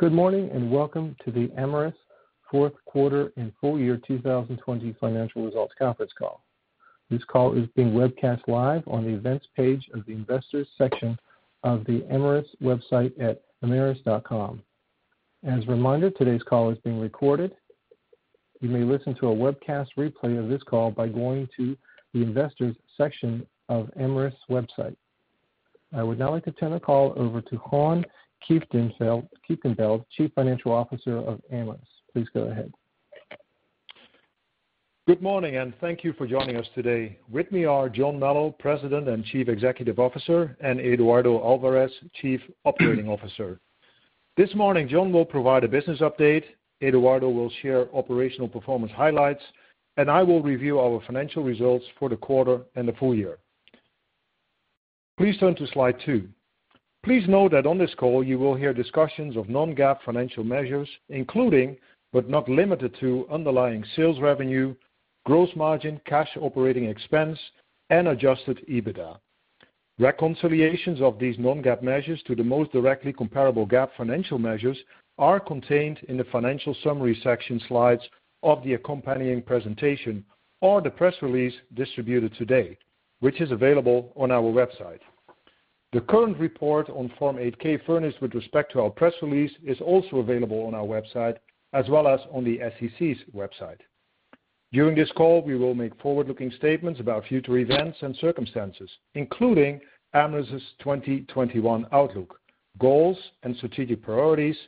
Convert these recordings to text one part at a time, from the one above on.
Good morning and welcome to the Amyris Fourth Quarter and Full Year 2020 Financial Results Conference Call. This call is being webcast live on the events page of the investors' section of the Amyris website at amyris.com. As a reminder, today's call is being recorded. You may listen to a webcast replay of this call by going to the investors' section of Amyris' website. I would now like to turn the call over to Han Kieftenbeld, Chief Financial Officer of Amyris. Please go ahead. Good morning and thank you for joining us today. With me are John Melo, President and Chief Executive Officer, and Eduardo Alvarez, Chief Operating Officer. This morning, John will provide a business update, Eduardo will share operational performance highlights, and I will review our financial results for the quarter and the full year. Please turn to slide two. Please note that on this call, you will hear discussions of Non-GAAP financial measures, including, but not limited to, underlying sales revenue, gross margin, cash operating expense, and Adjusted EBITDA. Reconciliations of these Non-GAAP measures to the most directly comparable GAAP financial measures are contained in the financial summary section slides of the accompanying presentation or the press release distributed today, which is available on our website. The current report on Form 8-K, further with respect to our press release, is also available on our website, as well as on the SEC's website. During this call, we will make forward-looking statements about future events and circumstances, including Amyris' 2021 outlook, goals and strategic priorities,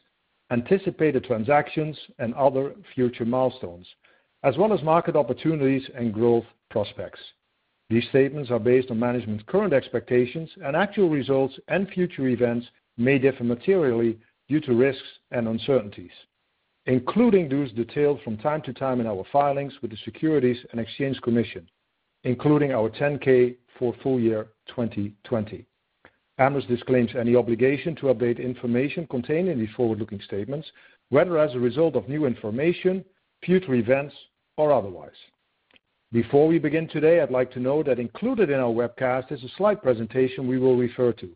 anticipated transactions, and other future milestones, as well as market opportunities and growth prospects. These statements are based on management's current expectations, and actual results and future events may differ materially due to risks and uncertainties, including those detailed from time to time in our filings with the Securities and Exchange Commission, including our 10-K for Full Year 2020. Amyris disclaims any obligation to update information contained in these forward-looking statements, whether as a result of new information, future events, or otherwise. Before we begin today, I'd like to note that included in our webcast is a slide presentation we will refer to.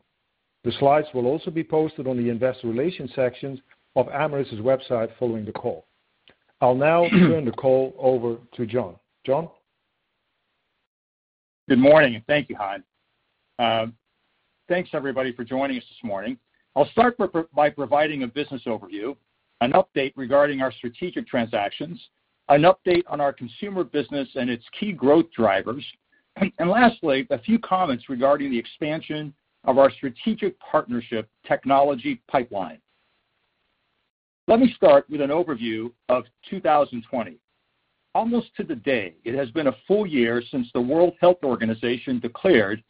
The slides will also be posted on the investor relations sections of Amyris' website following the call. I'll now turn the call over to John. John? Good morning. Thank you, Han. Thanks, everybody, for joining us this morning. I'll start by providing a business overview, an update regarding our strategic transactions, an update on our consumer business and its key growth drivers, and lastly, a few comments regarding the expansion of our strategic partnership technology pipeline. Let me start with an overview of 2020. Almost to the day, it has been a full year since the World Health Organization declared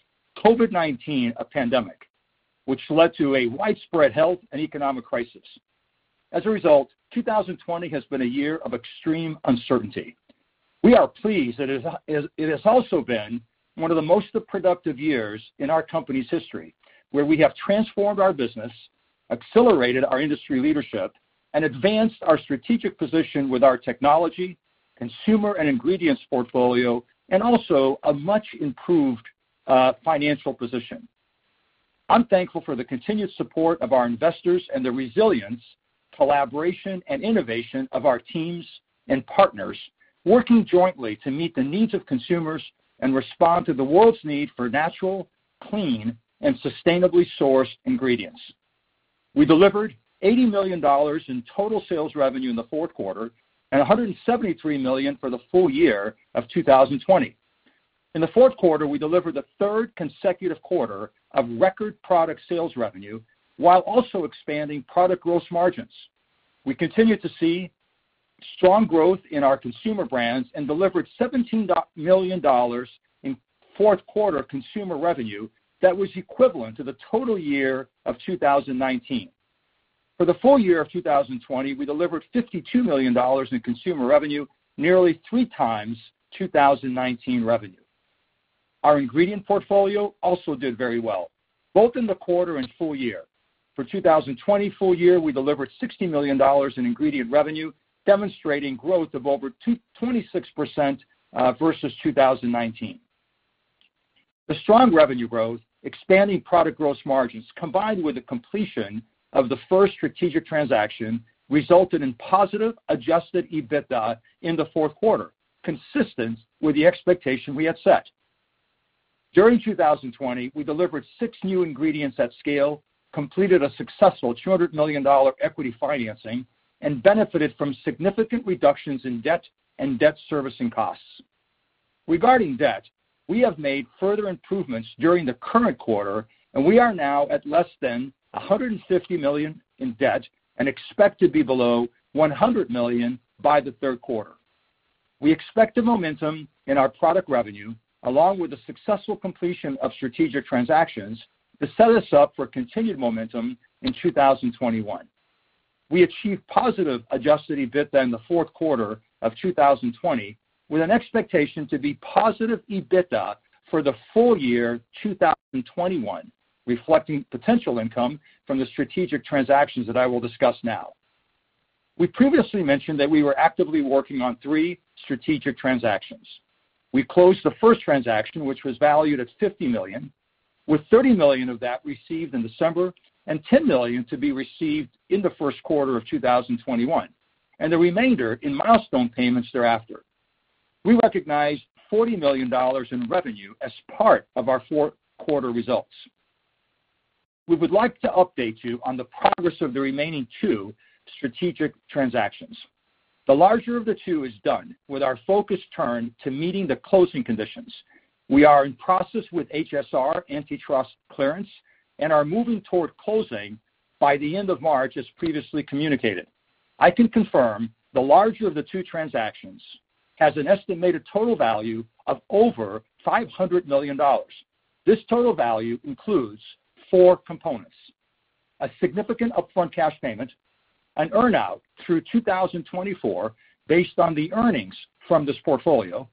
COVID-19 a pandemic, which led to a widespread health and economic crisis. As a result, 2020 has been a year of extreme uncertainty. We are pleased that it has also been one of the most productive years in our company's history, where we have transformed our business, accelerated our industry leadership, and advanced our strategic position with our technology, consumer, and ingredients portfolio, and also a much-improved financial position. I'm thankful for the continued support of our investors and the resilience, collaboration, and innovation of our teams and partners working jointly to meet the needs of consumers and respond to the world's need for natural, clean, and sustainably sourced ingredients. We delivered $80 million in total sales revenue in the fourth quarter and $173 million for the full year of 2020. In the fourth quarter, we delivered the third consecutive quarter of record product sales revenue while also expanding product gross margins. We continued to see strong growth in our consumer brands and delivered $17 million in fourth quarter consumer revenue that was equivalent to the total year of 2019. For the full year of 2020, we delivered $52 million in consumer revenue, nearly three times 2019 revenue. Our ingredient portfolio also did very well, both in the quarter and full year. For 2020 full year, we delivered $60 million in ingredient revenue, demonstrating growth of over 26% versus 2019. The strong revenue growth, expanding product gross margins, combined with the completion of the first strategic transaction, resulted in positive Adjusted EBITDA in the fourth quarter, consistent with the expectation we had set. During 2020, we delivered six new ingredients at scale, completed a successful $200 million equity financing, and benefited from significant reductions in debt and debt servicing costs. Regarding debt, we have made further improvements during the current quarter, and we are now at less than $150 million in debt and expect to be below $100 million by the third quarter. We expect the momentum in our product revenue, along with the successful completion of strategic transactions, to set us up for continued momentum in 2021. We achieved positive Adjusted EBITDA in the fourth quarter of 2020, with an expectation to be positive EBITDA for the full year 2021, reflecting potential income from the strategic transactions that I will discuss now. We previously mentioned that we were actively working on three strategic transactions. We closed the first transaction, which was valued at $50 million, with $30 million of that received in December and $10 million to be received in the first quarter of 2021, and the remainder in milestone payments thereafter. We recognized $40 million in revenue as part of our fourth quarter results. We would like to update you on the progress of the remaining two strategic transactions. The larger of the two is done, with our focus turned to meeting the closing conditions. We are in process with HSR antitrust clearance and are moving toward closing by the end of March, as previously communicated. I can confirm the larger of the two transactions has an estimated total value of over $500 million. This total value includes four components: a significant upfront cash payment, an earnout through 2024 based on the earnings from this portfolio,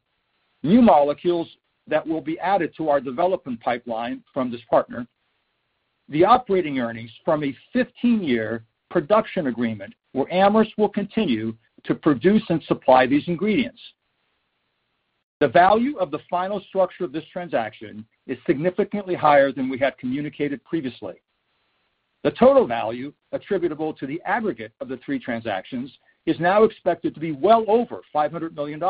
new molecules that will be added to our development pipeline from this partner, and the operating earnings from a 15-year production agreement where Amyris will continue to produce and supply these ingredients. The value of the final structure of this transaction is significantly higher than we had communicated previously. The total value attributable to the aggregate of the three transactions is now expected to be well over $500 million,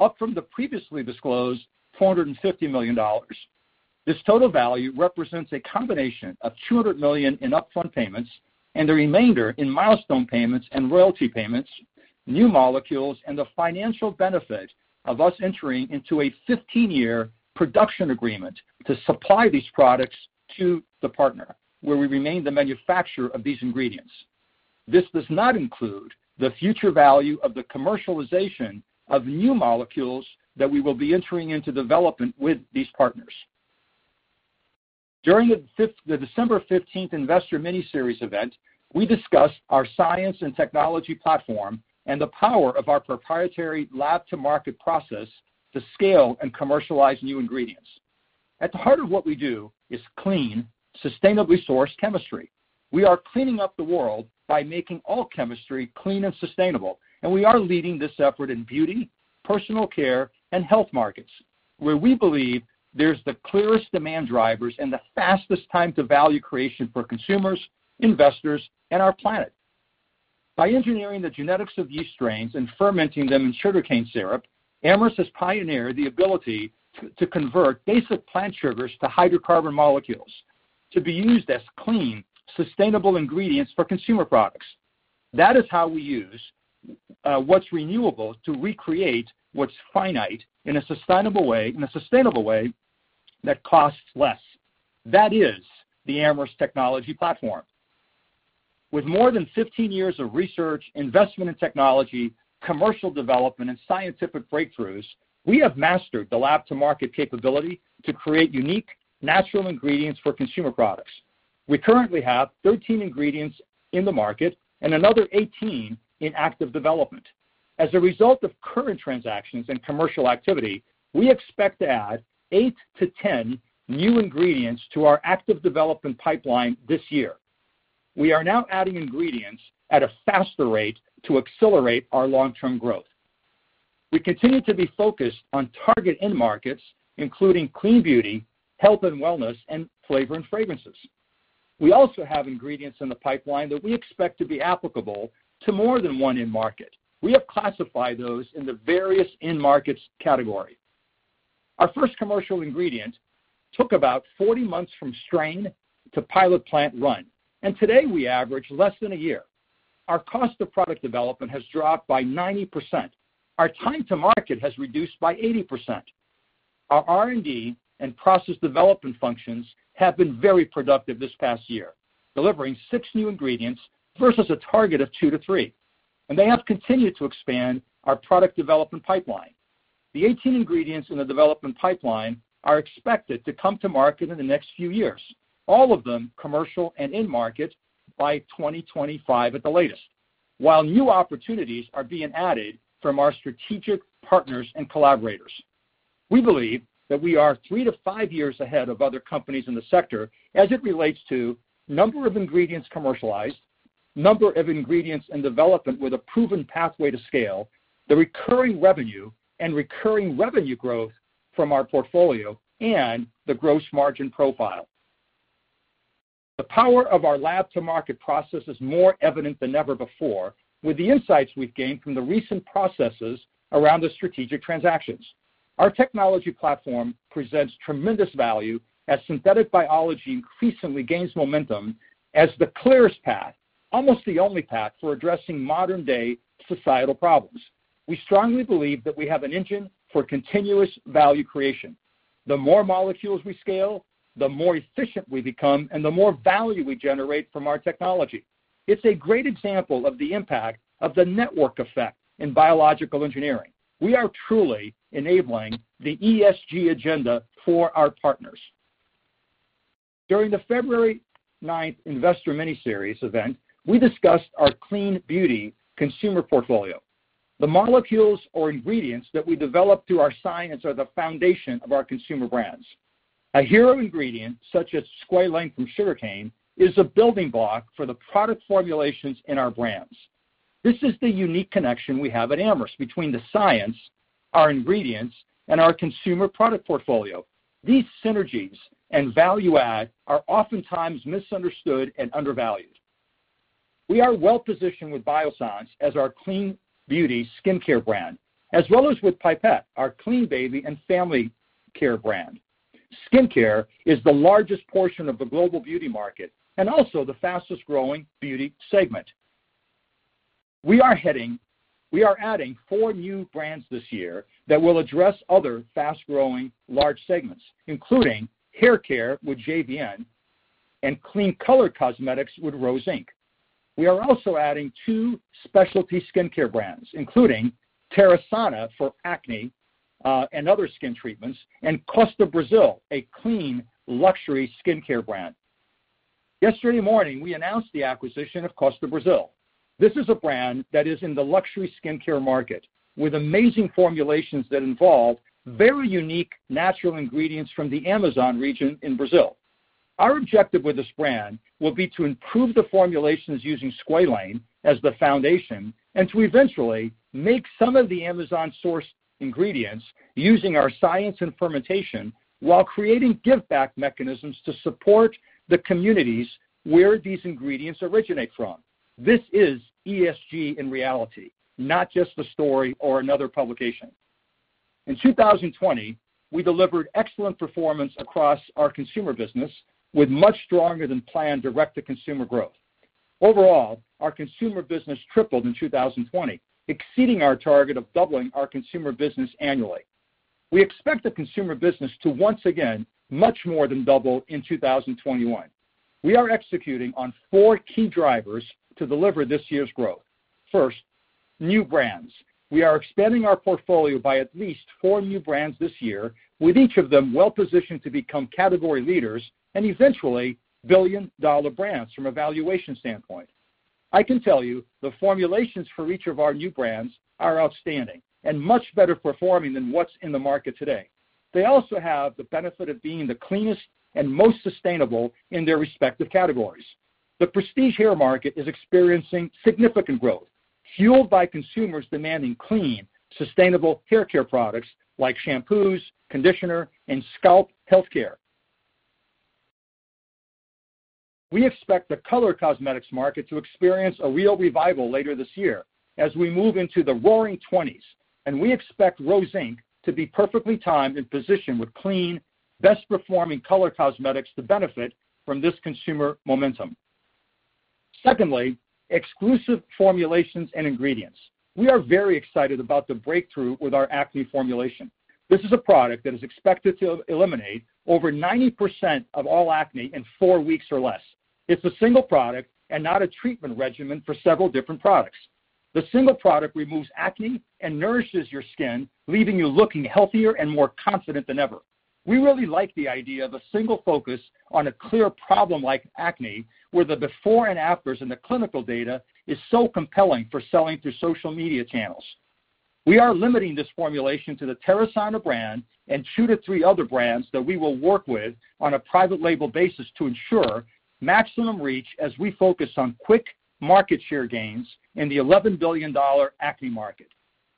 up from the previously disclosed $450 million. This total value represents a combination of $200 million in upfront payments and the remainder in milestone payments and royalty payments, new molecules, and the financial benefit of us entering into a 15-year production agreement to supply these products to the partner, where we remain the manufacturer of these ingredients. This does not include the future value of the commercialization of new molecules that we will be entering into development with these partners. During the December 15th investor mini-series event, we discussed our science and technology platform and the power of our proprietary lab-to-market process to scale and commercialize new ingredients. At the heart of what we do is clean, sustainably sourced chemistry. We are cleaning up the world by making all chemistry clean and sustainable, and we are leading this effort in beauty, personal care, and health markets, where we believe there's the clearest demand drivers and the fastest time to value creation for consumers, investors, and our planet. By engineering the genetics of yeast strains and fermenting them in sugarcane syrup, Amyris has pioneered the ability to convert basic plant sugars to hydrocarbon molecules to be used as clean, sustainable ingredients for consumer products. That is how we use what's renewable to recreate what's finite in a sustainable way that costs less. That is the Amyris technology platform. With more than 15 years of research, investment in technology, commercial development, and scientific breakthroughs, we have mastered the lab-to-market capability to create unique natural ingredients for consumer products. We currently have 13 ingredients in the market and another 18 in active development. As a result of current transactions and commercial activity, we expect to add 8-10 new ingredients to our active development pipeline this year. We are now adding ingredients at a faster rate to accelerate our long-term growth. We continue to be focused on target end markets, including clean beauty, health and wellness, and flavor and fragrances. We also have ingredients in the pipeline that we expect to be applicable to more than one end market. We have classified those in the various end markets category. Our first commercial ingredient took about 40 months from strain to pilot plant run, and today we average less than a year. Our cost of product development has dropped by 90%. Our time to market has reduced by 80%. Our R&D and process development functions have been very productive this past year, delivering six new ingredients versus a target of two to three, and they have continued to expand our product development pipeline. The 18 ingredients in the development pipeline are expected to come to market in the next few years, all of them commercial and in-market by 2025 at the latest, while new opportunities are being added from our strategic partners and collaborators. We believe that we are three to five years ahead of other companies in the sector as it relates to number of ingredients commercialized, number of ingredients in development with a proven pathway to scale, the recurring revenue and recurring revenue growth from our portfolio, and the gross margin profile. The power of our lab-to-market process is more evident than ever before, with the insights we've gained from the recent processes around the strategic transactions. Our technology platform presents tremendous value as synthetic biology increasingly gains momentum as the clearest path, almost the only path, for addressing modern-day societal problems. We strongly believe that we have an engine for continuous value creation. The more molecules we scale, the more efficient we become, and the more value we generate from our technology. It's a great example of the impact of the network effect in biological engineering. We are truly enabling the ESG agenda for our partners. During the February 9th investor mini-series event, we discussed our clean beauty consumer portfolio. The molecules or ingredients that we develop through our science are the foundation of our consumer brands. A hero ingredient such as squalane from sugarcane is a building block for the product formulations in our brands. This is the unique connection we have at Amyris between the science, our ingredients, and our consumer product portfolio. These synergies and value-add are oftentimes misunderstood and undervalued. We are well-positioned with Biossance as our clean beauty skincare brand, as well as with Pipette, our clean baby and family care brand. Skincare is the largest portion of the global beauty market and also the fastest-growing beauty segment. We are adding four new brands this year that will address other fast-growing large segments, including hair care with JVN and clean color cosmetics with Rose Inc. We are also adding two specialty skincare brands, including Terasana for acne and other skin treatments, and Costa Brazil, a clean luxury skincare brand. Yesterday morning, we announced the acquisition of Costa Brazil. This is a brand that is in the luxury skincare market with amazing formulations that involve very unique natural ingredients from the Amazon region in Brazil. Our objective with this brand will be to improve the formulations using squalane as the foundation and to eventually make some of the Amazon-sourced ingredients using our science and fermentation while creating give-back mechanisms to support the communities where these ingredients originate from. This is ESG in reality, not just a story or another publication. In 2020, we delivered excellent performance across our consumer business with much stronger-than-planned direct-to-consumer growth. Overall, our consumer business tripled in 2020, exceeding our target of doubling our consumer business annually. We expect the consumer business to once again much more than double in 2021. We are executing on four key drivers to deliver this year's growth. First, new brands. We are expanding our portfolio by at least four new brands this year, with each of them well-positioned to become category leaders and eventually billion-dollar brands from a valuation standpoint. I can tell you the formulations for each of our new brands are outstanding and much better performing than what's in the market today. They also have the benefit of being the cleanest and most sustainable in their respective categories. The prestige hair market is experiencing significant growth, fueled by consumers demanding clean, sustainable hair care products like shampoos, conditioner, and scalp healthcare. We expect the color cosmetics market to experience a real revival later this year as we move into the roaring 20s, and we expect Rose Inc. to be perfectly timed and positioned with clean, best-performing color cosmetics to benefit from this consumer momentum. Secondly, exclusive formulations and ingredients. We are very excited about the breakthrough with our acne formulation. This is a product that is expected to eliminate over 90% of all acne in four weeks or less. It's a single product and not a treatment regimen for several different products. The single product removes acne and nourishes your skin, leaving you looking healthier and more confident than ever. We really like the idea of a single focus on a clear problem like acne, where the before and afters and the clinical data is so compelling for selling through social media channels. We are limiting this formulation to the Terasana brand and two to three other brands that we will work with on a private label basis to ensure maximum reach as we focus on quick market share gains in the $11 billion acne market.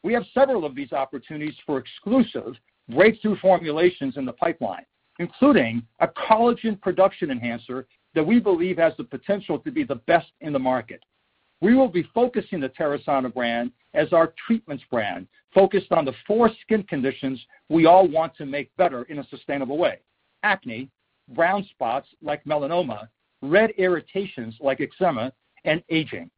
We have several of these opportunities for exclusive breakthrough formulations in the pipeline, including a collagen production enhancer that we believe has the potential to be the best in the market. We will be focusing the Terasana brand as our treatments brand focused on the four skin conditions we all want to make better in a sustainable way: acne, brown spots like melanoma, red irritations like eczema, and aging.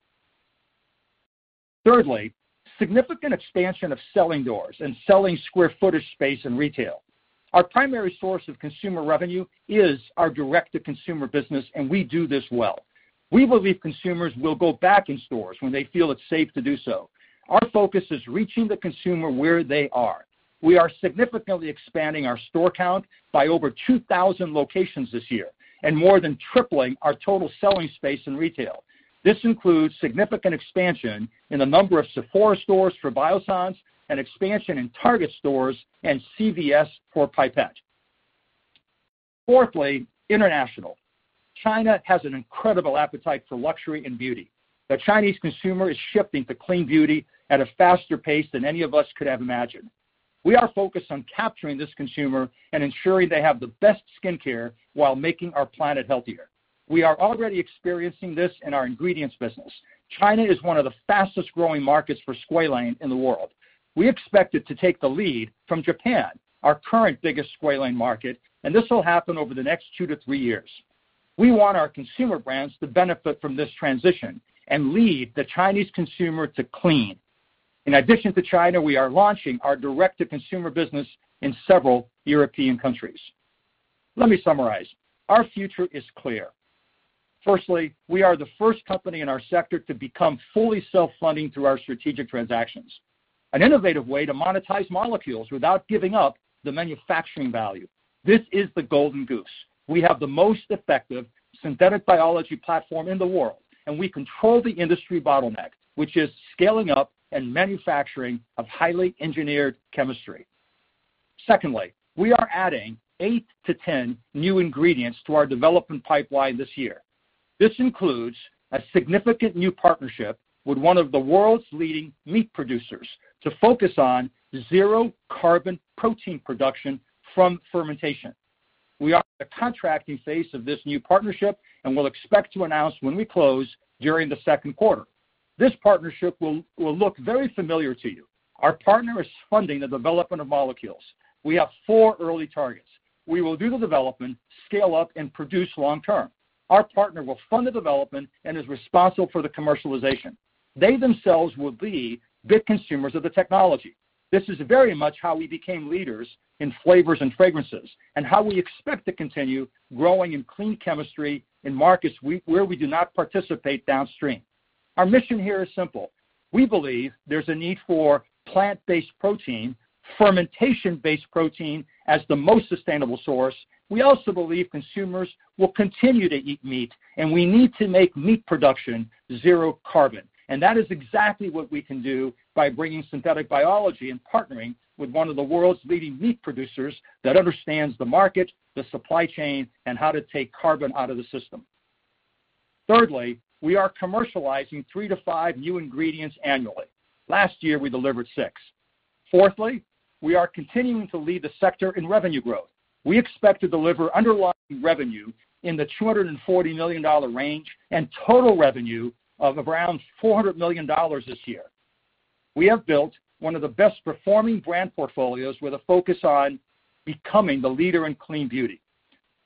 Thirdly, significant expansion of selling doors and selling square footage space in retail. Our primary source of consumer revenue is our direct-to-consumer business, and we do this well. We believe consumers will go back in stores when they feel it's safe to do so. Our focus is reaching the consumer where they are. We are significantly expanding our store count by over 2,000 locations this year and more than tripling our total selling space in retail. This includes significant expansion in the number of Sephora stores for Biossance and expansion in Target stores and CVS for Pipette. Fourthly, international. China has an incredible appetite for luxury and beauty. The Chinese consumer is shifting to clean beauty at a faster pace than any of us could have imagined. We are focused on capturing this consumer and ensuring they have the best skincare while making our planet healthier. We are already experiencing this in our ingredients business. China is one of the fastest-growing markets for squalane in the world. We expect it to take the lead from Japan, our current biggest squalane market, and this will happen over the next two to three years. We want our consumer brands to benefit from this transition and lead the Chinese consumer to clean. In addition to China, we are launching our direct-to-consumer business in several European countries. Let me summarize. Our future is clear. Firstly, we are the first company in our sector to become fully self-funding through our strategic transactions, an innovative way to monetize molecules without giving up the manufacturing value. This is the golden goose. We have the most effective synthetic biology platform in the world, and we control the industry bottleneck, which is scaling up and manufacturing of highly engineered chemistry. Secondly, we are adding 8 to 10 new ingredients to our development pipeline this year. This includes a significant new partnership with one of the world's leading meat producers to focus on zero-carbon protein production from fermentation. We are in the contracting phase of this new partnership and will expect to announce when we close during the second quarter. This partnership will look very familiar to you. Our partner is funding the development of molecules. We have four early targets. We will do the development, scale up, and produce long-term. Our partner will fund the development and is responsible for the commercialization. They themselves will be big consumers of the technology. This is very much how we became leaders in flavors and fragrances and how we expect to continue growing in clean chemistry in markets where we do not participate downstream. Our mission here is simple. We believe there's a need for plant-based protein, fermentation-based protein as the most sustainable source. We also believe consumers will continue to eat meat, and we need to make meat production zero-carbon, and that is exactly what we can do by bringing synthetic biology and partnering with one of the world's leading meat producers that understands the market, the supply chain, and how to take carbon out of the system. Thirdly, we are commercializing three to five new ingredients annually. Last year, we delivered six. Fourthly, we are continuing to lead the sector in revenue growth. We expect to deliver underlying revenue in the $240 million range and total revenue of around $400 million this year. We have built one of the best-performing brand portfolios with a focus on becoming the leader in clean beauty.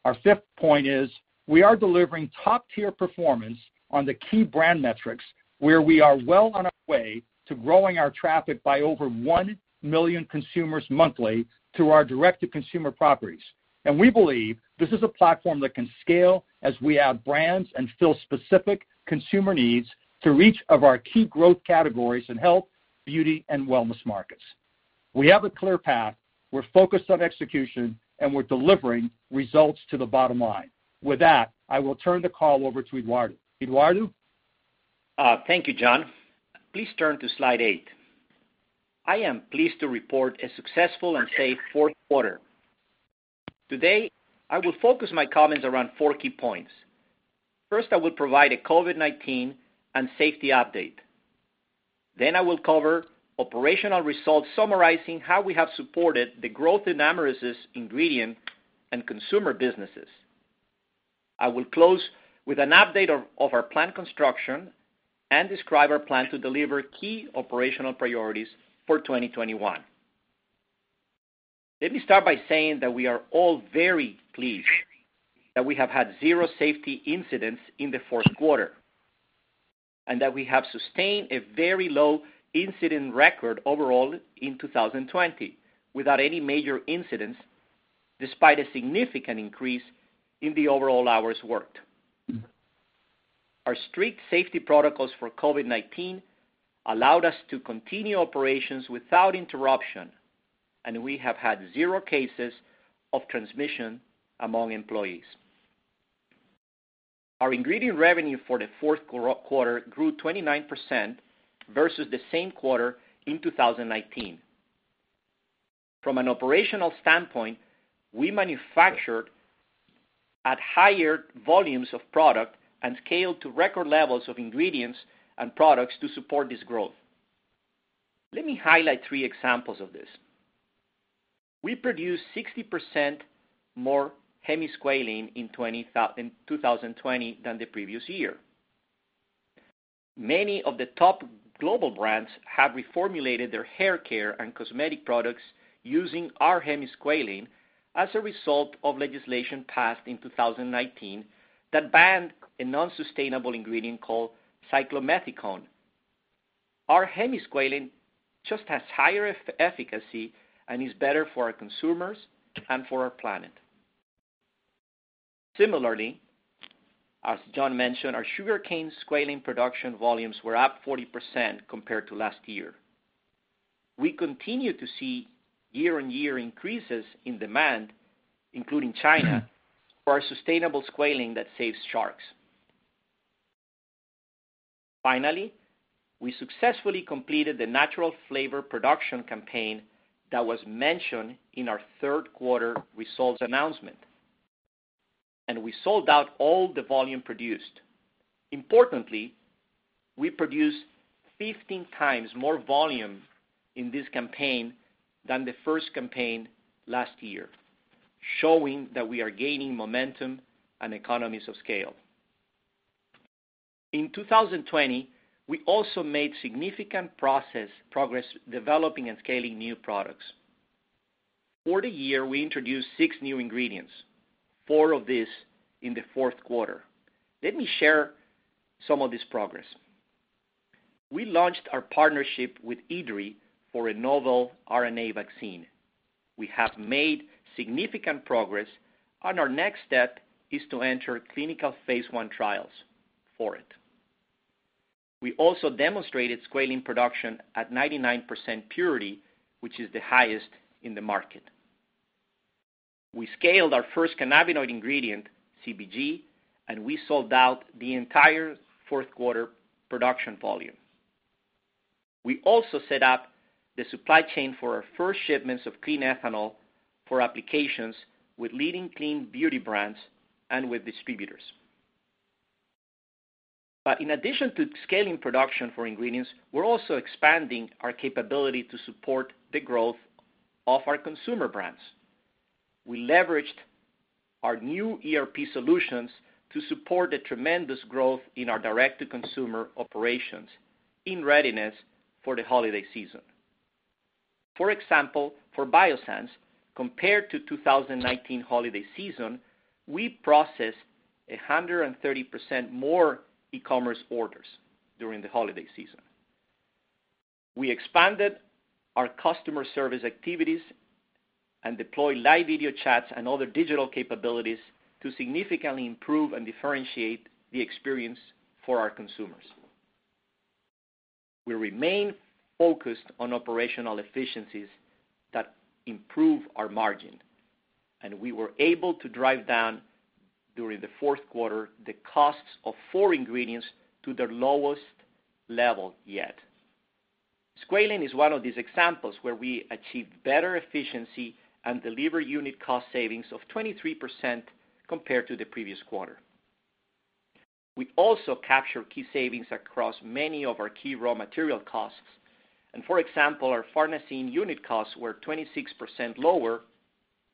Our fifth point is we are delivering top-tier performance on the key brand metrics where we are well on our way to growing our traffic by over one million consumers monthly through our direct-to-consumer properties. And we believe this is a platform that can scale as we add brands and fill specific consumer needs to reach our key growth categories in health, beauty, and wellness markets. We have a clear path. We're focused on execution, and we're delivering results to the bottom line. With that, I will turn the call over to Eduardo. Eduardo? Thank you, John. Please turn to slide eight. I am pleased to report a successful and safe fourth quarter. Today, I will focus my comments around four key points. First, I will provide a COVID-19 and safety update. Then, I will cover operational results summarizing how we have supported the growth in Amyris's ingredient and consumer businesses. I will close with an update of our planned construction and describe our plan to deliver key operational priorities for 2021. Let me start by saying that we are all very pleased that we have had zero safety incidents in the fourth quarter and that we have sustained a very low incident record overall in 2020 without any major incidents despite a significant increase in the overall hours worked. Our strict safety protocols for COVID-19 allowed us to continue operations without interruption, and we have had zero cases of transmission among employees. Our ingredient revenue for the fourth quarter grew 29% versus the same quarter in 2019. From an operational standpoint, we manufactured at higher volumes of product and scaled to record levels of ingredients and products to support this growth. Let me highlight three examples of this. We produced 60% more hemisqualane in 2020 than the previous year. Many of the top global brands have reformulated their hair care and cosmetic products using our hemisqualane as a result of legislation passed in 2019 that banned a non-sustainable ingredient called cyclomethicone. Our hemisqualane just has higher efficacy and is better for our consumers and for our planet. Similarly, as John mentioned, our sugarcane squalane production volumes were up 40% compared to last year. We continue to see year-on-year increases in demand, including China, for our sustainable squalane that saves sharks. Finally, we successfully completed the natural flavor production campaign that was mentioned in our third quarter results announcement, and we sold out all the volume produced. Importantly, we produced 15 times more volume in this campaign than the first campaign last year, showing that we are gaining momentum and economies of scale. In 2020, we also made significant progress developing and scaling new products. For the year, we introduced six new ingredients, four of these in the fourth quarter. Let me share some of this progress. We launched our partnership with IDRI for a novel RNA vaccine. We have made significant progress, and our next step is to enter clinical Phase 1 trials for it. We also demonstrated squalane production at 99% purity, which is the highest in the market. We scaled our first cannabinoid ingredient, CBG, and we sold out the entire fourth quarter production volume. We also set up the supply chain for our first shipments of clean ethanol for applications with leading clean beauty brands and with distributors. But in addition to scaling production for ingredients, we're also expanding our capability to support the growth of our consumer brands. We leveraged our new ERP solutions to support the tremendous growth in our direct-to-consumer operations in readiness for the holiday season. For example, for Biossance, compared to the 2019 holiday season, we processed 130% more e-commerce orders during the holiday season. We expanded our customer service activities and deployed live video chats and other digital capabilities to significantly improve and differentiate the experience for our consumers. We remain focused on operational efficiencies that improve our margin, and we were able to drive down during the fourth quarter the costs of four ingredients to their lowest level yet. Squalane is one of these examples where we achieved better efficiency and delivered unit cost savings of 23% compared to the previous quarter. We also captured key savings across many of our key raw material costs, and for example, our farnesene unit costs were 26% lower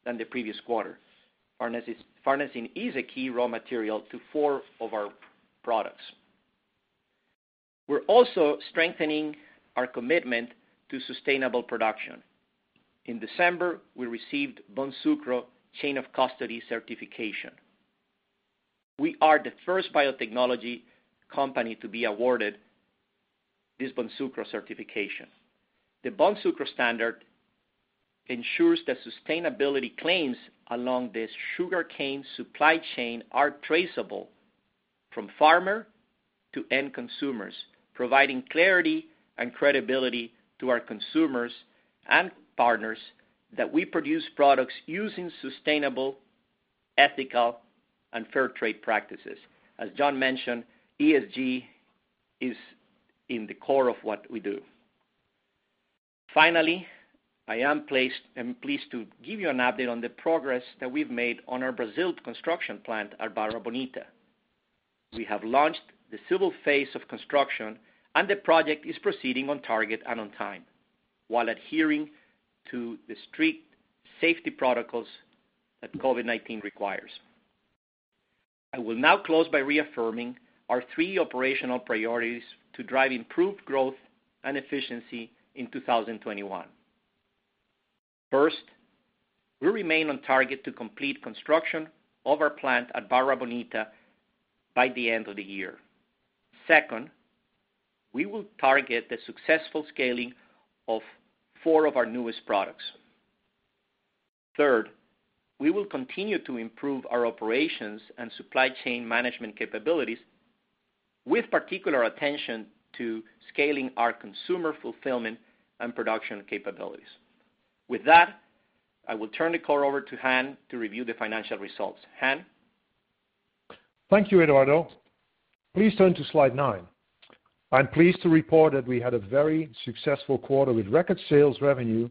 than the previous quarter. Farnesene is a key raw material to four of our products. We're also strengthening our commitment to sustainable production. In December, we received Bonsucro Chain of Custody certification. We are the first biotechnology company to be awarded this Bonsucro certification. The Bonsucro standard ensures that sustainability claims along this sugarcane supply chain are traceable from farmer to end consumers, providing clarity and credibility to our consumers and partners that we produce products using sustainable, ethical, and fair trade practices. As John mentioned, ESG is in the core of what we do. Finally, I am pleased to give you an update on the progress that we've made on our Brazil construction plant, Barra Bonita. We have launched the civil phase of construction, and the project is proceeding on target and on time while adhering to the strict safety protocols that COVID-19 requires. I will now close by reaffirming our three operational priorities to drive improved growth and efficiency in 2021. First, we remain on target to complete construction of our plant at Barra Bonita by the end of the year. Second, we will target the successful scaling of four of our newest products. Third, we will continue to improve our operations and supply chain management capabilities with particular attention to scaling our consumer fulfillment and production capabilities. With that, I will turn the call over to Han to review the financial results. Han? Thank you, Eduardo. Please turn to slide nine. I'm pleased to report that we had a very successful quarter with record sales revenue,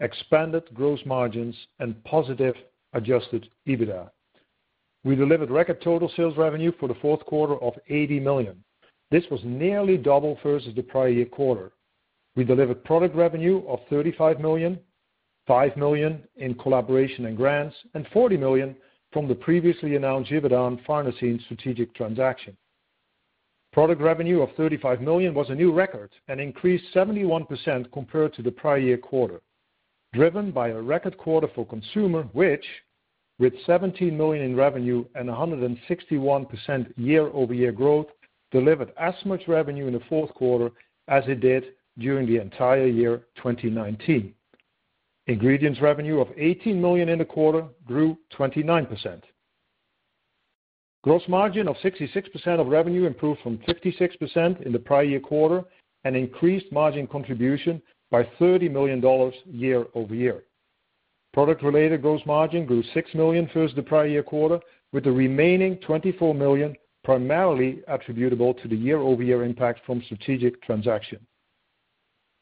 expanded gross margins, and positive Adjusted EBITDA. We delivered record total sales revenue for the fourth quarter of $80 million. This was nearly double versus the prior year quarter. We delivered product revenue of $35 million, $5 million in collaboration and grants, and $40 million from the previously announced Adjusted EBITDA and farnesene strategic transaction. Product revenue of $35 million was a new record and increased 71% compared to the prior year quarter, driven by a record quarter for consumer, which, with $17 million in revenue and 161% year-over-year growth, delivered as much revenue in the fourth quarter as it did during the entire year 2019. Ingredients revenue of $18 million in the quarter grew 29%. Gross margin of 66% of revenue improved from 56% in the prior year quarter and increased margin contribution by $30 million year-over-year. Product-related gross margin grew $6 million versus the prior year quarter, with the remaining $24 million primarily attributable to the year-over-year impact from strategic transaction.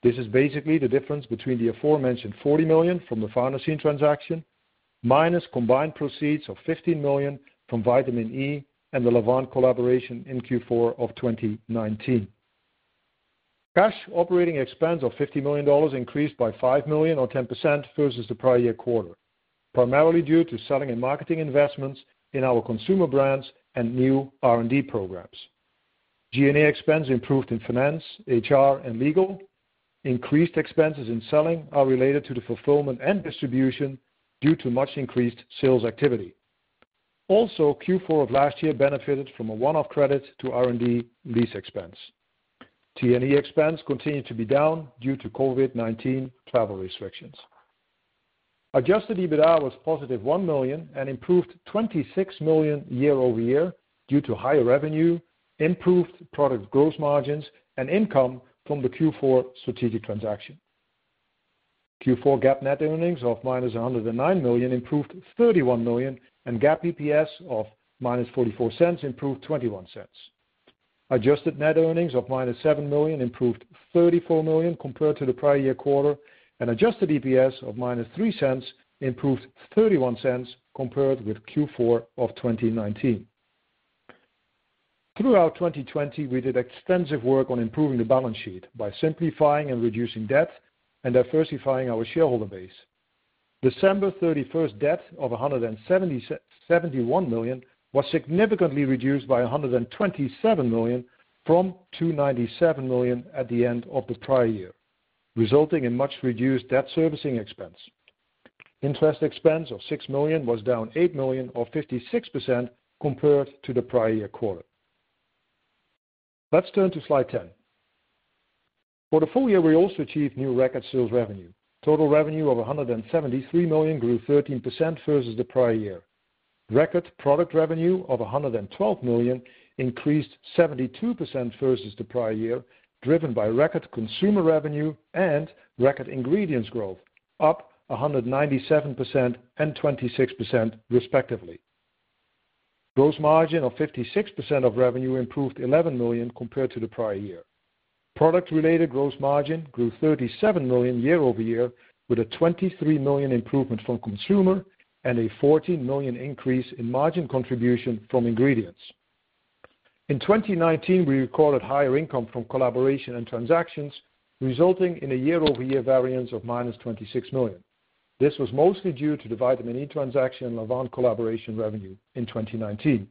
This is basically the difference between the aforementioned $40 million from the farnesene transaction minus combined proceeds of $15 million from vitamin E and the Lavvan collaboration in Q4 of 2019. Cash operating expense of $50 million increased by $5 million or 10% versus the prior year quarter, primarily due to selling and marketing investments in our consumer brands and new R&D programs. G&A expense improved in finance, HR, and legal. Increased expenses in selling are related to the fulfillment and distribution due to much increased sales activity. Also, Q4 of last year benefited from a one-off credit to R&D lease expense. T&E expense continued to be down due to COVID-19 travel restrictions. Adjusted EBITDA was positive $1 million and improved $26 million year-over-year due to higher revenue, improved product gross margins, and income from the Q4 strategic transaction. Q4 GAAP net earnings of minus $109 million improved $31 million, and GAAP EPS of minus $0.44 improved $0.21. Adjusted net earnings of minus $7 million improved $34 million compared to the prior year quarter, and adjusted EPS of minus $0.03 improved $0.31 compared with Q4 of 2019. Throughout 2020, we did extensive work on improving the balance sheet by simplifying and reducing debt and diversifying our shareholder base. December 31st debt of $171 million was significantly reduced by $127 million from $297 million at the end of the prior year, resulting in much reduced debt servicing expense. Interest expense of $6 million was down $8 million or 56% compared to the prior year quarter. Let's turn to slide 10. For the full year, we also achieved new record sales revenue. Total revenue of $173 million grew 13% versus the prior year. Record product revenue of $112 million increased 72% versus the prior year, driven by record consumer revenue and record ingredients growth, up 197% and 26% respectively. Gross margin of 56% of revenue improved $11 million compared to the prior year. Product-related gross margin grew $37 million year-over-year with a $23 million improvement from consumer and a $14 million increase in margin contribution from ingredients. In 2019, we recorded higher income from collaboration and transactions, resulting in a year-over-year variance of minus $26 million. This was mostly due to the Vitamin E transaction and Lavvan collaboration revenue in 2019.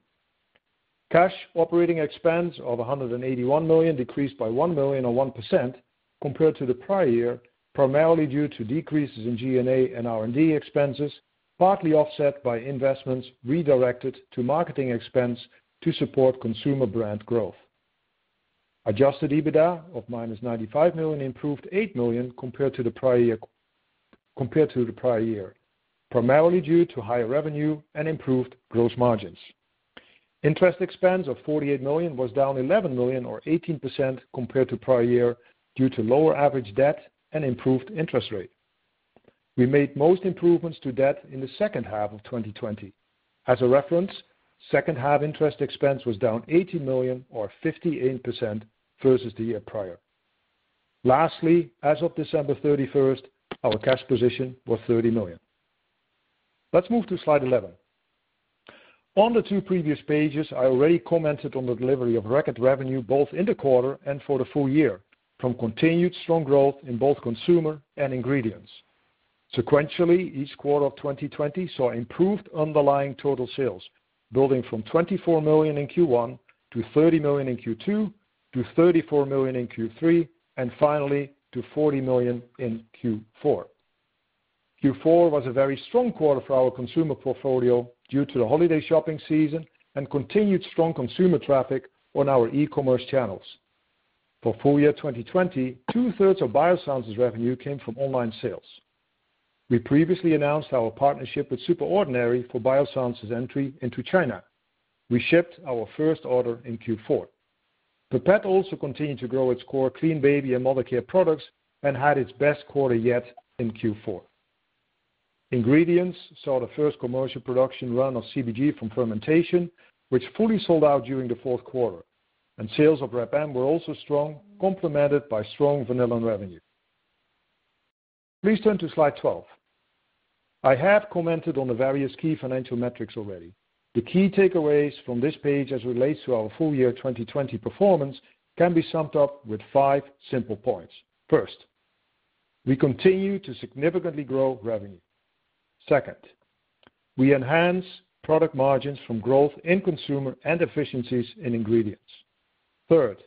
Cash operating expense of $181 million decreased by $1 million or 1% compared to the prior year, primarily due to decreases in G&A and R&D expenses, partly offset by investments redirected to marketing expense to support consumer brand growth. Adjusted EBITDA of -$95 million improved $8 million compared to the prior year, primarily due to higher revenue and improved gross margins. Interest expense of $48 million was down $11 million or 18% compared to prior year due to lower average debt and improved interest rate. We made most improvements to debt in the second half of 2020. As a reference, second half interest expense was down $18 million or 58% versus the year prior. Lastly, as of December 31st, our cash position was $30 million. Let's move to slide 11. On the two previous pages, I already commented on the delivery of record revenue both in the quarter and for the full year from continued strong growth in both consumer and ingredients. Sequentially, each quarter of 2020 saw improved underlying total sales, building from $24 million in Q1 to $30 million in Q2 to $34 million in Q3, and finally to $40 million in Q4. Q4 was a very strong quarter for our consumer portfolio due to the holiday shopping season and continued strong consumer traffic on our e-commerce channels. For full year 2020, two-thirds of Biossance's revenue came from online sales. We previously announced our partnership with SuperOrdinary for Biossance's entry into China. We shipped our first order in Q4. Pipette also continued to grow its core clean baby and mother care products and had its best quarter yet in Q4. Ingredients saw the first commercial production run of CBG from fermentation, which fully sold out during the fourth quarter, and sales of Reb M were also strong, complemented by strong vanilla revenue. Please turn to slide 12. I have commented on the various key financial metrics already. The key takeaways from this page as it relates to our full year 2020 performance can be summed up with five simple points. First, we continue to significantly grow revenue. Second, we enhance product margins from growth in consumer and efficiencies in ingredients. Third,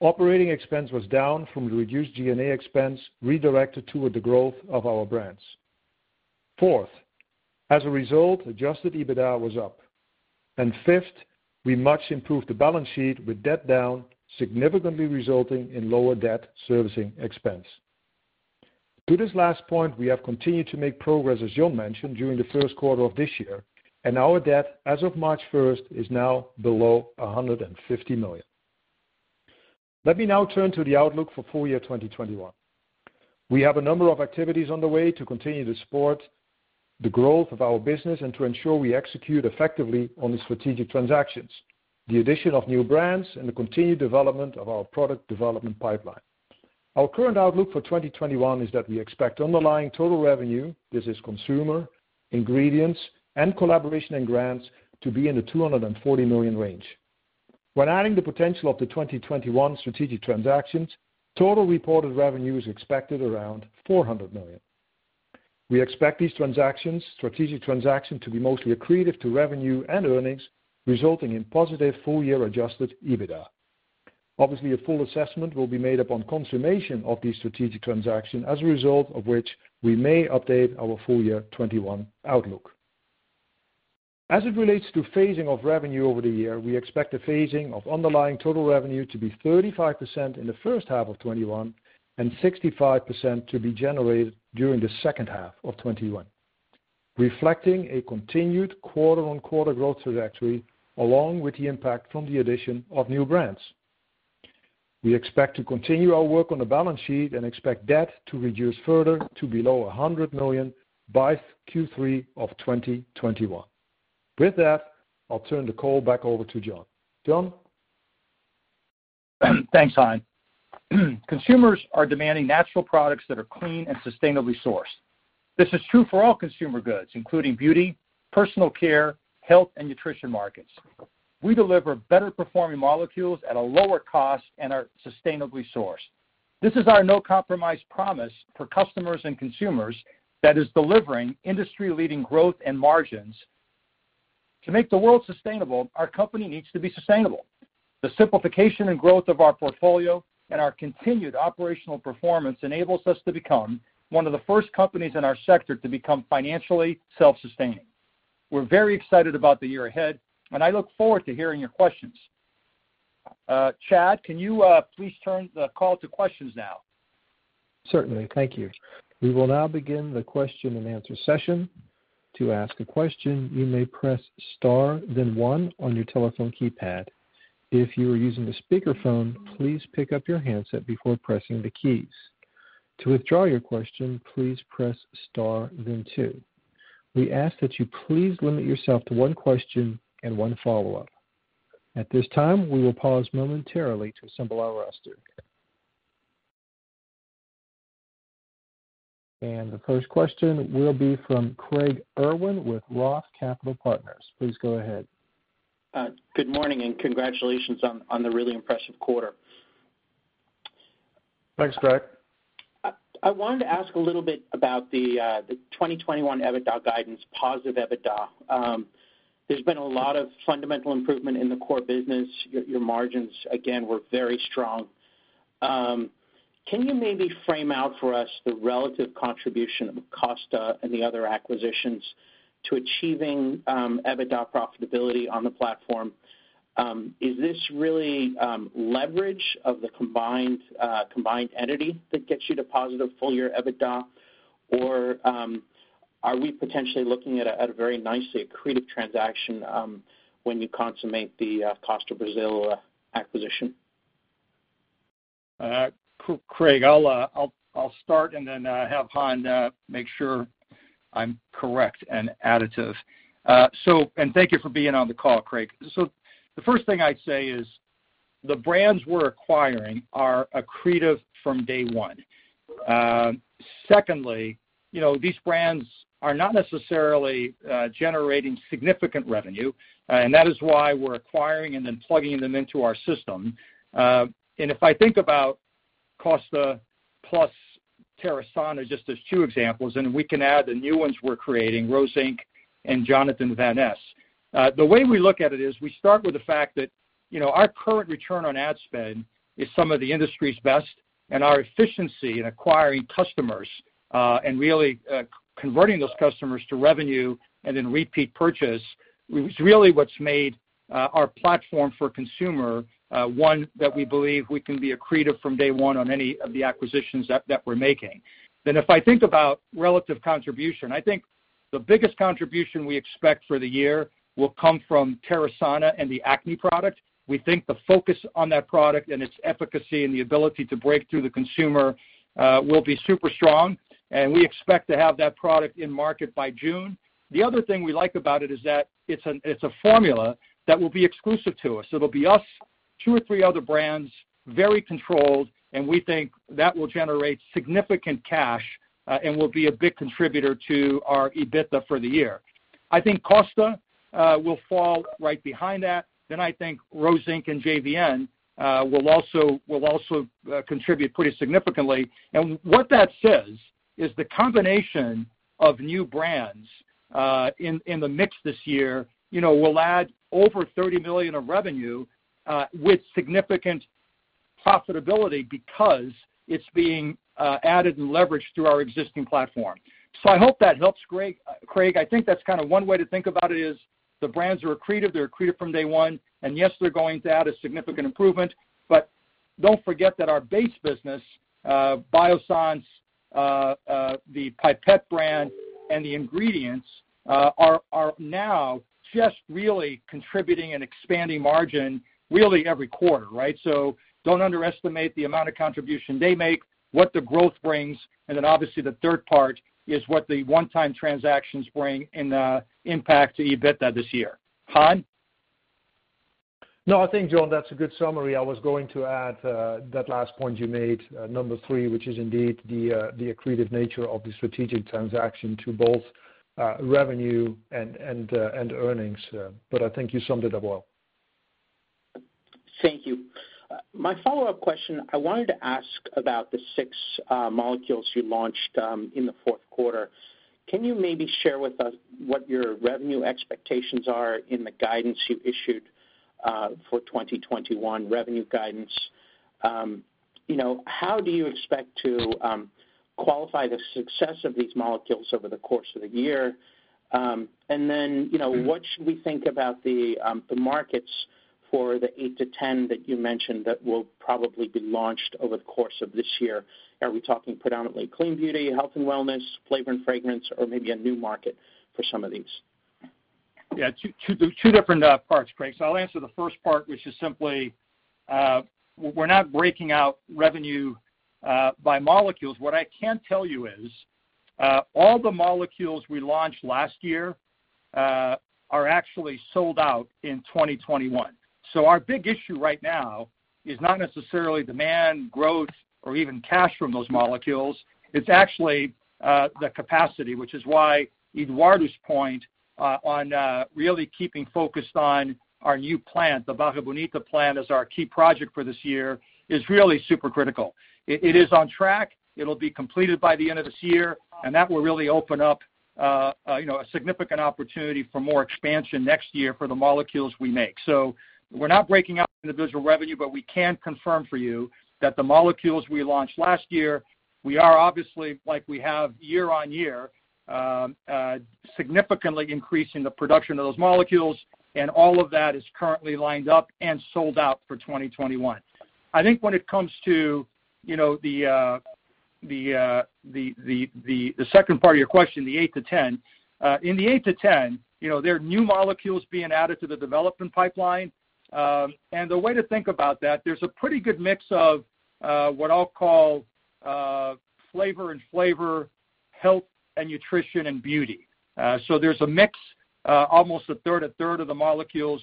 operating expense was down from the reduced G&A expense redirected toward the growth of our brands. Fourth, as a result, adjusted EBITDA was up. And fifth, we much improved the balance sheet with debt down, significantly resulting in lower debt servicing expense. To this last point, we have continued to make progress, as John mentioned, during the first quarter of this year, and our debt as of March 1st is now below $150 million. Let me now turn to the outlook for full year 2021. We have a number of activities on the way to continue to support the growth of our business and to ensure we execute effectively on the strategic transactions, the addition of new brands, and the continued development of our product development pipeline. Our current outlook for 2021 is that we expect underlying total revenue, this is consumer, ingredients, and collaboration and grants, to be in the $240 million range. When adding the potential of the 2021 strategic transactions, total reported revenue is expected around $400 million. We expect these strategic transactions to be mostly accretive to revenue and earnings, resulting in positive full year adjusted EBITDA. Obviously, a full assessment will be made upon confirmation of these strategic transactions, as a result of which we may update our full-year 2021 outlook. As it relates to phasing of revenue over the year, we expect the phasing of underlying total revenue to be 35% in the first half of 2021 and 65% to be generated during the second half of 2021, reflecting a continued quarter-on-quarter growth trajectory along with the impact from the addition of new brands. We expect to continue our work on the balance sheet and expect debt to reduce further to below $100 million by Q3 of 2021. With that, I'll turn the call back over to John. John? Thanks, Han. Consumers are demanding natural products that are clean and sustainably sourced. This is true for all consumer goods, including beauty, personal care, health, and nutrition markets. We deliver better performing molecules at a lower cost and are sustainably sourced. This is our no-compromise promise for customers and consumers that is delivering industry-leading growth and margins. To make the world sustainable, our company needs to be sustainable. The simplification and growth of our portfolio and our continued operational performance enables us to become one of the first companies in our sector to become financially self-sustaining. We're very excited about the year ahead, and I look forward to hearing your questions. Chad, can you please turn the call to questions now? Certainly. Thank you. We will now begin the question and answer session. To ask a question, you may press star, then one on your telephone keypad. If you are using a speakerphone, please pick up your handset before pressing the keys. To withdraw your question, please press star, then two. We ask that you please limit yourself to one question and one follow-up. At this time, we will pause momentarily to assemble our roster. And the first question will be from Craig Irwin with Roth Capital Partners. Please go ahead. Good morning and congratulations on the really impressive quarter. Thanks, Craig. I wanted to ask a little bit about the 2021 EBITDA guidance, positive EBITDA. There's been a lot of fundamental improvement in the core business. Your margins, again, were very strong. Can you maybe frame out for us the relative contribution of Costa and the other acquisitions to achieving EBITDA profitability on the platform? Is this really leverage of the combined entity that gets you to positive full year EBITDA, or are we potentially looking at a very nicely accretive transaction when you consummate the Costa Brazil acquisition? Craig, I'll start and then have Han make sure I'm correct and additive. And thank you for being on the call, Craig. So the first thing I'd say is the brands we're acquiring are accretive from day one. Secondly, these brands are not necessarily generating significant revenue, and that is why we're acquiring and then plugging them into our system. And if I think about Costa plus Terasana, just as two examples, and we can add the new ones we're creating, Rose Inc. and Jonathan Van Ness. The way we look at it is we start with the fact that our current return on ad spend is some of the industry's best, and our efficiency in acquiring customers and really converting those customers to revenue and then repeat purchase is really what's made our platform for consumer one that we believe we can be accretive from day one on any of the acquisitions that we're making. Then if I think about relative contribution, I think the biggest contribution we expect for the year will come from Terasana and the acne product. We think the focus on that product and its efficacy and the ability to break through to the consumer will be super strong, and we expect to have that product in market by June. The other thing we like about it is that it's a formula that will be exclusive to us. It'll be us, two or three other brands, very controlled, and we think that will generate significant cash and will be a big contributor to our EBITDA for the year. I think Costa will fall right behind that, then I think Rose Inc. and JVN will also contribute pretty significantly, and what that says is the combination of new brands in the mix this year will add over $30 million of revenue with significant profitability because it's being added and leveraged through our existing platform, so I hope that helps, Craig. I think that's kind of one way to think about it is the brands are accretive. They're accretive from day one, and yes, they're going to add a significant improvement, but don't forget that our base business, Biossance, the Pipette brand, and the ingredients are now just really contributing and expanding margin really every quarter, right? So don't underestimate the amount of contribution they make, what the growth brings, and then obviously the third part is what the one-time transactions bring in impact to EBITDA this year. Han? No, I think, John, that's a good summary. I was going to add that last point you made, number three, which is indeed the accretive nature of the strategic transaction to both revenue and earnings. But I think you summed it up well. Thank you. My follow-up question, I wanted to ask about the six molecules you launched in the fourth quarter. Can you maybe share with us what your revenue expectations are in the guidance you issued for 2021 revenue guidance? How do you expect to qualify the success of these molecules over the course of the year? And then what should we think about the markets for the 8-10 that you mentioned that will probably be launched over the course of this year? Are we talking predominantly clean beauty, health and wellness, flavor and fragrance, or maybe a new market for some of these? Yeah, two different parts, Craig. So I'll answer the first part, which is simply we're not breaking out revenue by molecules. What I can tell you is all the molecules we launched last year are actually sold out in 2021. So our big issue right now is not necessarily demand, growth, or even cash from those molecules. It's actually the capacity, which is why Eduardo's point on really keeping focused on our new plant, the Barra Bonita plant, as our key project for this year is really super critical. It is on track. It'll be completed by the end of this year, and that will really open up a significant opportunity for more expansion next year for the molecules we make. So we're not breaking out individual revenue, but we can confirm for you that the molecules we launched last year, we are obviously, like we have year on year, significantly increasing the production of those molecules, and all of that is currently lined up and sold out for 2021. I think when it comes to the second part of your question, the 8 to 10, in the 8 to 10, there are new molecules being added to the development pipeline, and the way to think about that, there's a pretty good mix of what I'll call flavor and flavor, health and nutrition and beauty. So there's a mix, almost a third, a third of the molecules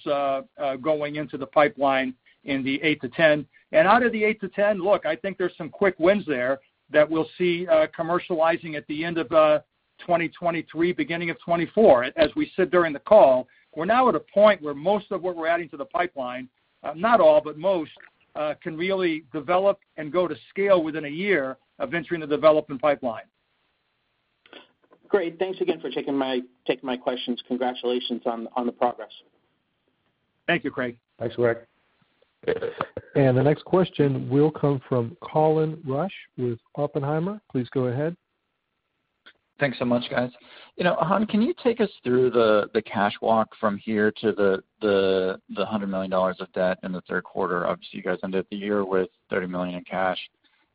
going into the pipeline in the 8 to 10. And out of the 8 to 10, look, I think there's some quick wins there that we'll see commercializing at the end of 2023, beginning of 2024, as we sit during the call. We're now at a point where most of what we're adding to the pipeline, not all, but most, can really develop and go to scale within a year of entering the development pipeline. Great. Thanks again for taking my questions. Congratulations on the progress. Thank you, Craig. Thanks, Craig And the next question will come from Colin Rusch with Oppenheimer. Please go ahead. Thanks so much, guys. Han, can you take us through the cash walk from here to the $100 million of debt in the third quarter? Obviously, you guys ended the year with $30 million in cash,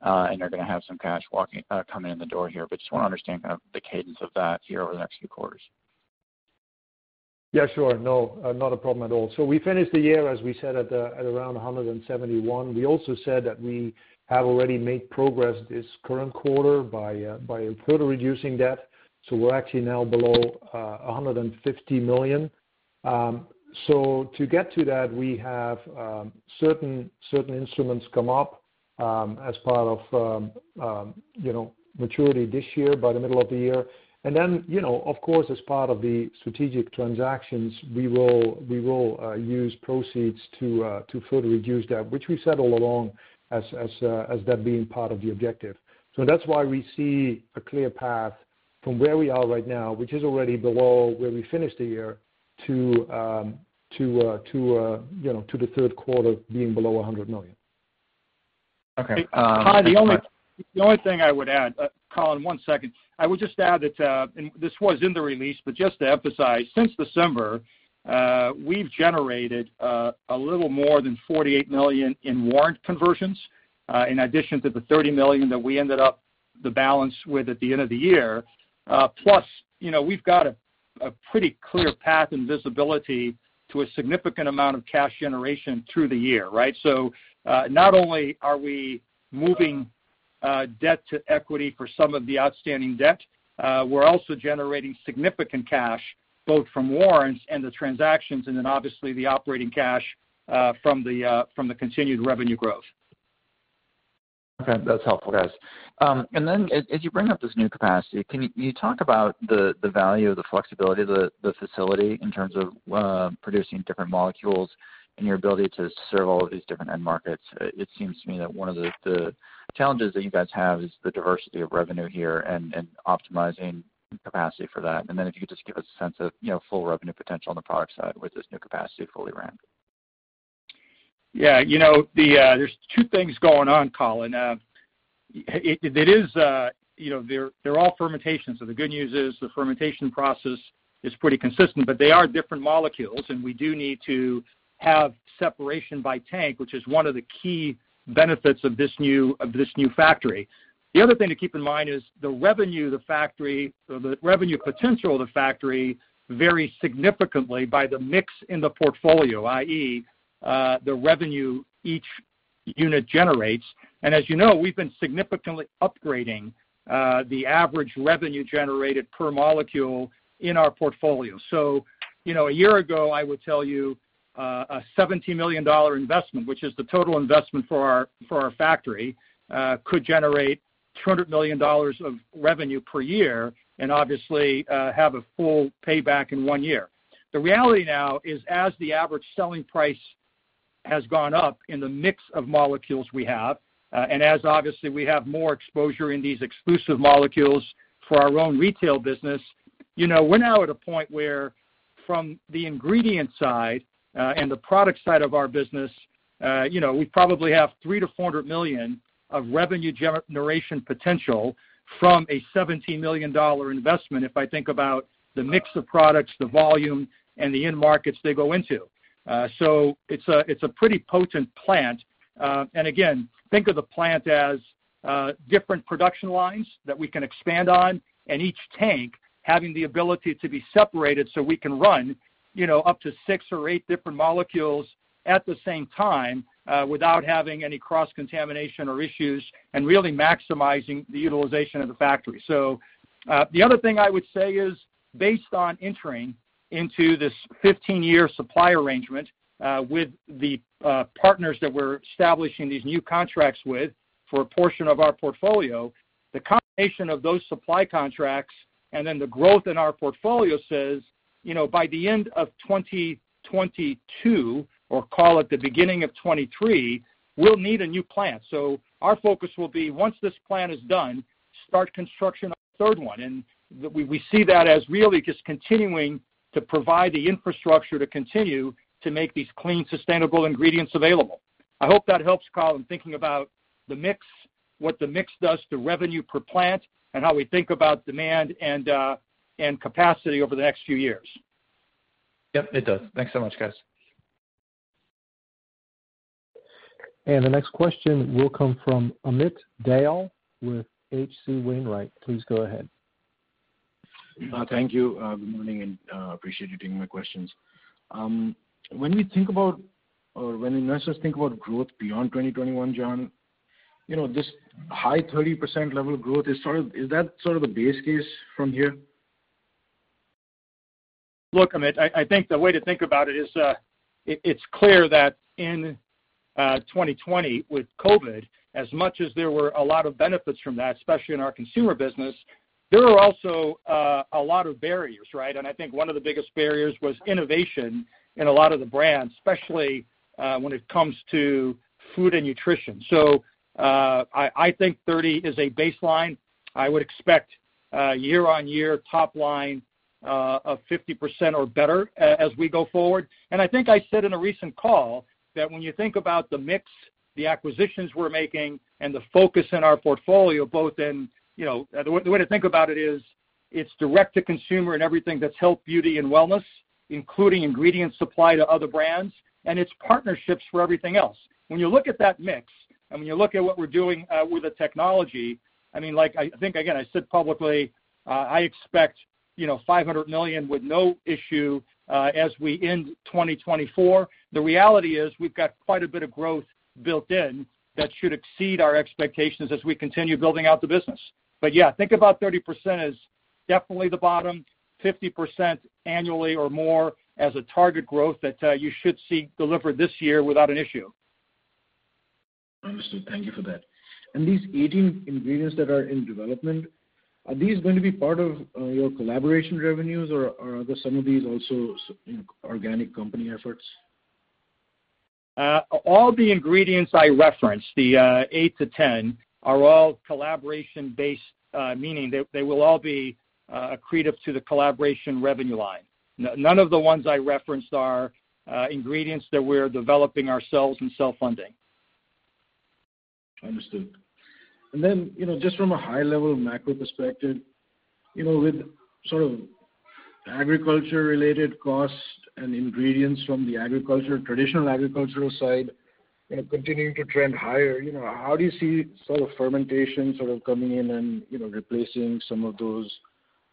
and you're going to have some cash walking coming in the door here. But just want to understand kind of the cadence of that here over the next few quarters. Yeah, sure. No, not a problem at all. We finished the year, as we said, at around $171 million. We also said that we have already made progress this current quarter by further reducing debt. We're actually now below $150 million. To get to that, we have certain instruments come up as part of maturity this year by the middle of the year. And then, of course, as part of the strategic transactions, we will use proceeds to further reduce debt, which we settled along as debt being part of the objective. So that's why we see a clear path from where we are right now, which is already below where we finished the year, to the third quarter being below $100 million. Okay. Han, the only thing I would add, Colin, one second. I would just add that, and this was in the release, but just to emphasize, since December, we've generated a little more than $48 million in warrant conversions in addition to the $30 million that we ended up the balance with at the end of the year. Plus, we've got a pretty clear path and visibility to a significant amount of cash generation through the year, right? So not only are we moving debt to equity for some of the outstanding debt, we're also generating significant cash both from warrants and the transactions, and then obviously the operating cash from the continued revenue growth. Okay. That's helpful, guys. And then as you bring up this new capacity, can you talk about the value of the flexibility of the facility in terms of producing different molecules and your ability to serve all of these different end markets? It seems to me that one of the challenges that you guys have is the diversity of revenue here and optimizing capacity for that. And then if you could just give us a sense of full revenue potential on the product side with this new capacity fully ramped. Yeah. There's two things going on, Colin. It is, they're all fermentation. So the good news is the fermentation process is pretty consistent, but they are different molecules, and we do need to have separation by tank, which is one of the key benefits of this new factory. The other thing to keep in mind is the revenue of the factory, the revenue potential of the factory, varies significantly by the mix in the portfolio, i.e., the revenue each unit generates, and as you know, we've been significantly upgrading the average revenue generated per molecule in our portfolio, so a year ago, I would tell you a $70 million investment, which is the total investment for our factory, could generate $200 million of revenue per year and obviously have a full payback in one year. The reality now is as the average selling price has gone up in the mix of molecules we have, and as obviously we have more exposure in these exclusive molecules for our own retail business, we're now at a point where from the ingredient side and the product side of our business, we probably have $3-400 million of revenue generation potential from a $17 million investment if I think about the mix of products, the volume, and the end markets they go into. So it's a pretty potent plant. Again, think of the plant as different production lines that we can expand on, and each tank having the ability to be separated so we can run up to six or eight different molecules at the same time without having any cross-contamination or issues and really maximizing the utilization of the factory. So the other thing I would say is based on entering into this 15-year supply arrangement with the partners that we're establishing these new contracts with for a portion of our portfolio, the combination of those supply contracts and then the growth in our portfolio says by the end of 2022, or call it the beginning of 2023, we'll need a new plant. So our focus will be, once this plant is done, start construction of a third one. And we see that as really just continuing to provide the infrastructure to continue to make these clean, sustainable ingredients available. I hope that helps, Colin, thinking about the mix, what the mix does to revenue per plant, and how we think about demand and capacity over the next few years. Yep, it does. Thanks so much, guys. And the next question will come from Amit Dayal with H.C. Wainwright. Please go ahead. Thank you. Good morning and appreciate you taking my questions. When we think about, or when investors think about growth beyond 2021, John, this high 30% level of growth, is that sort of the base case from here? Look, Amit, I think the way to think about it is it's clear that in 2020 with COVID, as much as there were a lot of benefits from that, especially in our consumer business, there were also a lot of barriers, right? And I think one of the biggest barriers was innovation in a lot of the brands, especially when it comes to food and nutrition. So I think 30 is a baseline. I would expect year-on-year top line of 50% or better as we go forward. And I think I said in a recent call that when you think about the mix, the acquisitions we're making, and the focus in our portfolio, both in the way to think about it is it's direct-to-consumer and everything that's health, beauty, and wellness, including ingredient supply to other brands, and it's partnerships for everything else. When you look at that mix and when you look at what we're doing with the technology, I mean, I said publicly, I expect $500 million with no issue as we end 2024. The reality is we've got quite a bit of growth built in that should exceed our expectations as we continue building out the business. But yeah, think about 30% as definitely the bottom, 50% annually or more as a target growth that you should see delivered this year without an issue. Understood. Thank you for that. These 18 ingredients that are in development, are these going to be part of your collaboration revenues, or are some of these also organic company efforts? All the ingredients I referenced, the 8-10, are all collaboration-based, meaning they will all be accretive to the collaboration revenue line. None of the ones I referenced are ingredients that we're developing ourselves and self-funding. Understood. Just from a high-level macro perspective, with sort of agriculture-related costs and ingredients from the traditional agricultural side continuing to trend higher, how do you see sort of fermentation sort of coming in and replacing some of those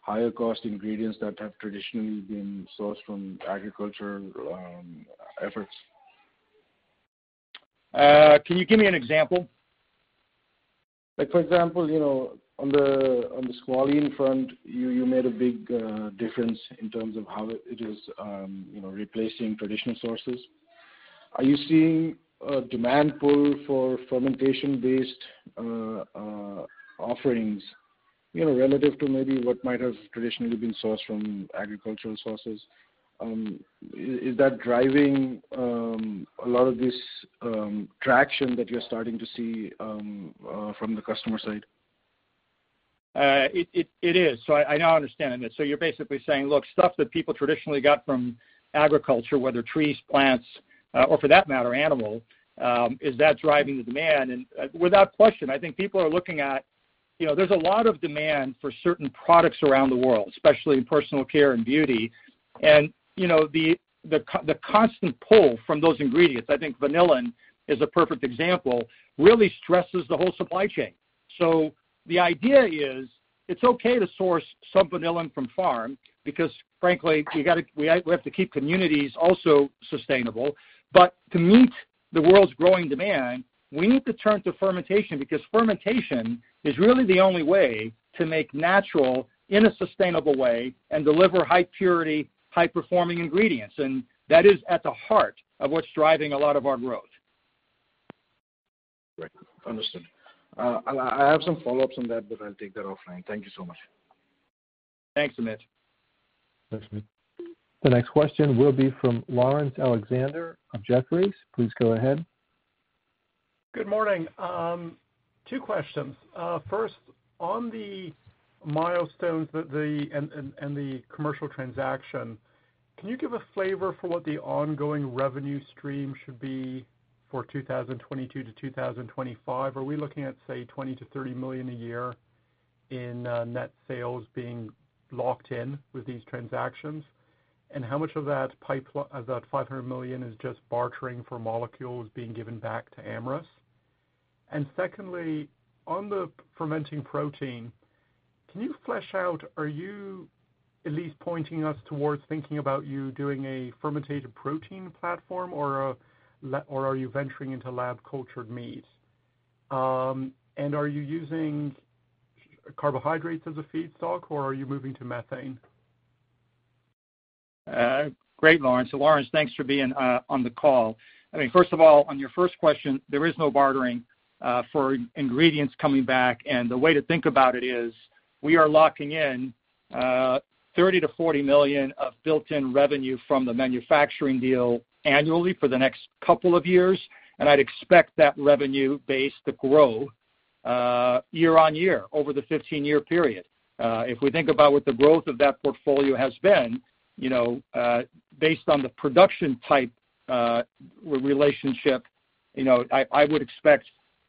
higher-cost ingredients that have traditionally been sourced from agricultural efforts? Can you give me an example? For example, on the squalene front, you made a big difference in terms of how it is replacing traditional sources. Are you seeing a demand pull for fermentation-based offerings relative to maybe what might have traditionally been sourced from agricultural sources? Is that driving a lot of this traction that you're starting to see from the customer side? It is. So I now understand. So you're basically saying, look, stuff that people traditionally got from agriculture, whether trees, plants, or for that matter, animal, is that driving the demand? And without question, I think people are looking at there's a lot of demand for certain products around the world, especially in personal care and beauty. And the constant pull from those ingredients, I think vanillin is a perfect example, really stresses the whole supply chain. So the idea is it's okay to source some vanillin from farm because, frankly, we have to keep communities also sustainable. But to meet the world's growing demand, we need to turn to fermentation because fermentation is really the only way to make natural in a sustainable way and deliver high-purity, high-performing ingredients. And that is at the heart of what's driving a lot of our growth. Right. Understood. I have some follow-ups on that, but I'll take that offline. Thank you so much. Thanks, Amit. Thanks, Amit. The next question will be from Laurence Alexander of Jefferies. Please go ahead. Good morning. Two questions. First, on the milestones and the commercial transaction, can you give a flavor for what the ongoing revenue stream should be for 2022 to 2025? Are we looking at, say, $20 million-$30 million a year in net sales being locked in with these transactions? And how much of that $500 million is just bartering for molecules being given back to Amyris? Secondly, on the fermenting protein, can you flesh out? Are you at least pointing us towards thinking about you doing a fermented protein platform, or are you venturing into lab-cultured meats? And are you using carbohydrates as a feedstock, or are you moving to methane? Great, Laurence. Laurence, thanks for being on the call. I mean, first of all, on your first question, there is no bartering for ingredients coming back. And the way to think about it is we are locking in $30-40 million of built-in revenue from the manufacturing deal annually for the next couple of years. And I'd expect that revenue base to grow year-on-year over the 15-year period. If we think about what the growth of that portfolio has been based on the production type relationship, I would expect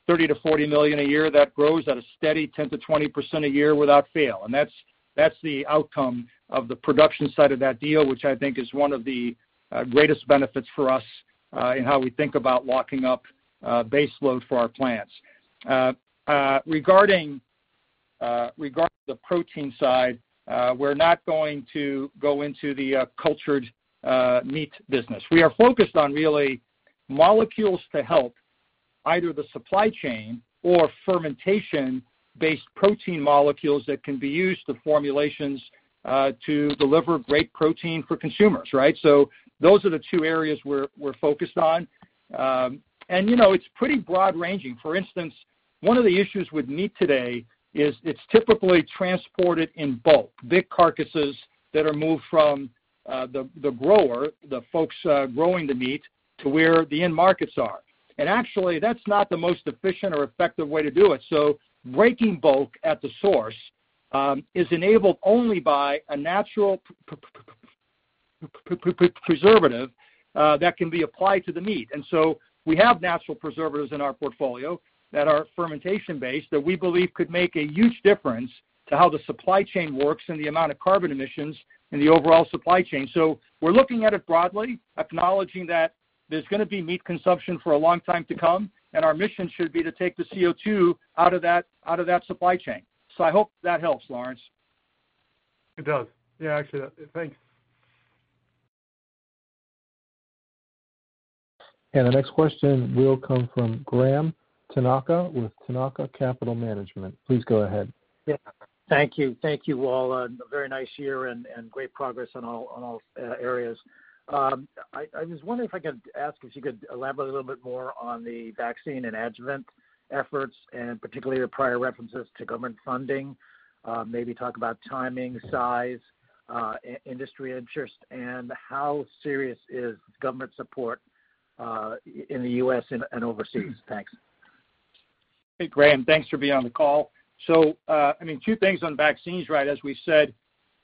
$30-$40 million a year that grows at a steady 10%-20% a year without fail. And that's the outcome of the production side of that deal, which I think is one of the greatest benefits for us in how we think about locking up base load for our plants. Regarding the protein side, we're not going to go into the cultured meat business. We are focused on really molecules to help either the supply chain or fermentation-based protein molecules that can be used to formulations to deliver great protein for consumers, right? So those are the two areas we're focused on, and it's pretty broad-ranging. For instance, one of the issues with meat today is it's typically transported in bulk, big carcasses that are moved from the grower, the folks growing the meat, to where the end markets are. And actually, that's not the most efficient or effective way to do it. So breaking bulk at the source is enabled only by a natural preservative that can be applied to the meat. And so we have natural preservatives in our portfolio that are fermentation-based that we believe could make a huge difference to how the supply chain works and the amount of carbon emissions inthe overall supply chain. So we're looking at it broadly, acknowledging that there's going to be meat consumption for a long time to come, and our mission should be to take the CO2 out of that supply chain. So I hope that helps, Laurence. It does. Yeah, actually, thanks. The next question will come from Graham with Tanaka Capital Management. Please go ahead. Thank you. Thank you all. A very nice year and great progress on all areas. I was wondering if I could ask if you could elaborate a little bit more on the vaccine and adjuvant efforts and particularly the prior references to government funding. Maybe talk about timing, size, industry interest, and how serious is government support in the U.S. and overseas. Thanks. Hey, Graham, thanks for being on the call. So I mean, two things on vaccines, right? As we said,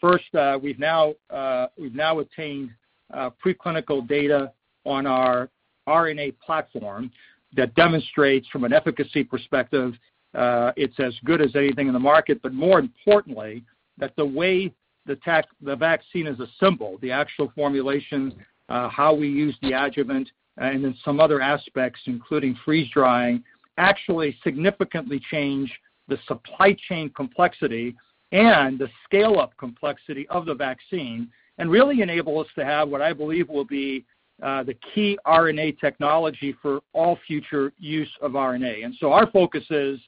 first, we've now attained preclinical data on our RNA platform that demonstrates from an efficacy perspective, it's as good as anything in the market, but more importantly, that the way the vaccine is assembled, the actual formulation, how we use the adjuvant, and then some other aspects, including freeze-drying, actually significantly change the supply chain complexity and the scale-up complexity of the vaccine and really enable us to have what I believe will be the key RNA technology for all future use of RNA, and so our focus is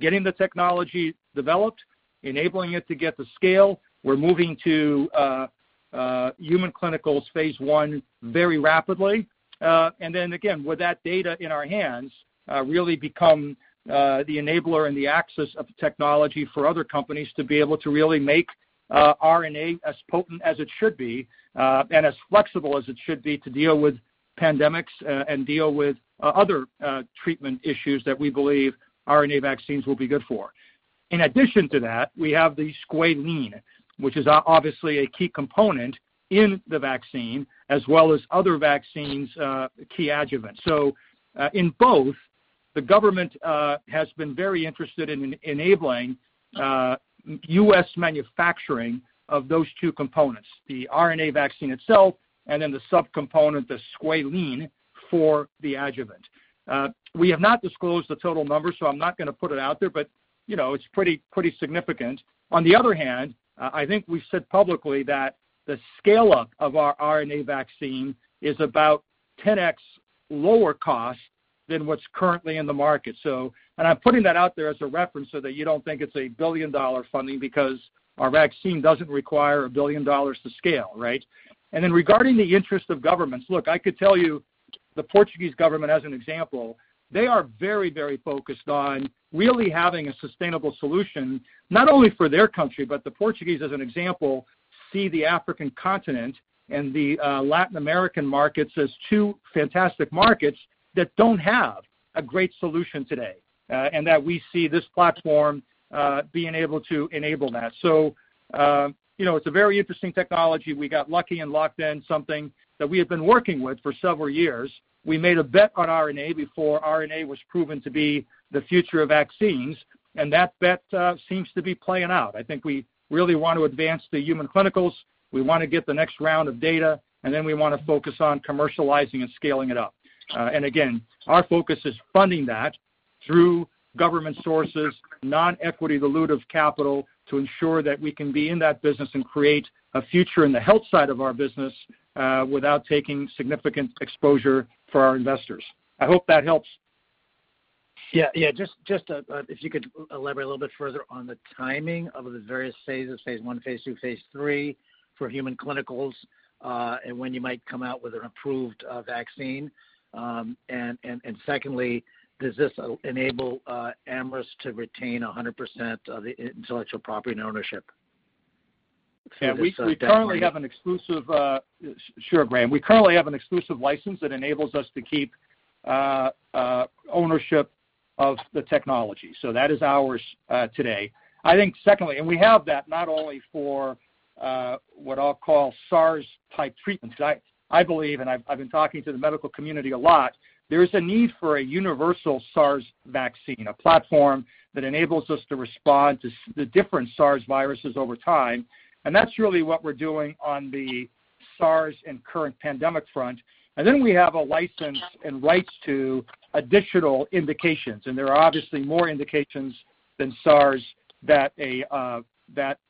getting the technology developed, enabling it to get the scale. We're moving to human clinicals Phase 1 very rapidly. Then, again, with that data in our hands, really become the enabler and the axis of technology for other companies to be able to really make RNA as potent as it should be and as flexible as it should be to deal with pandemics and deal with other treatment issues that we believe RNA vaccines will be good for. In addition to that, we have the squalene, which is obviously a key component in the vaccine, as well as other vaccines' key adjuvants. So in both, the government has been very interested in enabling U.S. manufacturing of those two components, the RNA vaccine itself, and then the subcomponent, the squalene, for the adjuvant. We have not disclosed the total number, so I'm not going to put it out there, but it's pretty significant. On the other hand, I think we said publicly that the scale-up of our RNA vaccine is about 10x lower cost than what's currently in the market. And I'm putting that out there as a reference so that you don't think it's a billion-dollar funding because our vaccine doesn't require a billion dollars to scale, right? And then regarding the interest of governments, look, I could tell you the Portuguese government, as an example, they are very, very focused on really having a sustainable solution, not only for their country, but the Portuguese, as an example, see the African continent and the Latin American markets as two fantastic markets that don't have a great solution today, and that we see this platform being able to enable that. So it's a very interesting technology. We got lucky and locked in something that we have been working with for several years. We made a bet on RNA before RNA was proven to be the future of vaccines, and that bet seems to be playing out. I think we really want to advance the human clinicals. We want to get the next round of data, and then we want to focus on commercializing and scaling it up. And again, our focus is funding that through government sources, non-equity dilutive capital, to ensure that we can be in that business and create a future in the health side of our business without taking significant exposure for our investors. I hope that helps. Yeah. Yeah. Just if you could elaborate a little bit further on the timing of the various phases, Phase 1, Phase 2, Phase 3 for human clinicals and when you might come out with an approved vaccine? And secondly, does this enable Amyris to retain 100% of the intellectual property and ownership? Yeah. We currently have an exclusive, sure, Graham. We currently have an exclusive license that enables us to keep ownership of the technology. So that is ours today. I think, secondly, and we have that not only for what I'll call SARS-type treatments. I believe, and I've been talking to the medical community a lot, there is a need for a universal SARS vaccine, a platform that enables us to respond to the different SARS viruses over time. And that's really what we're doing on the SARS and current pandemic front. And then we have a license and rights to additional indications. And there are obviously more indications than SARS that an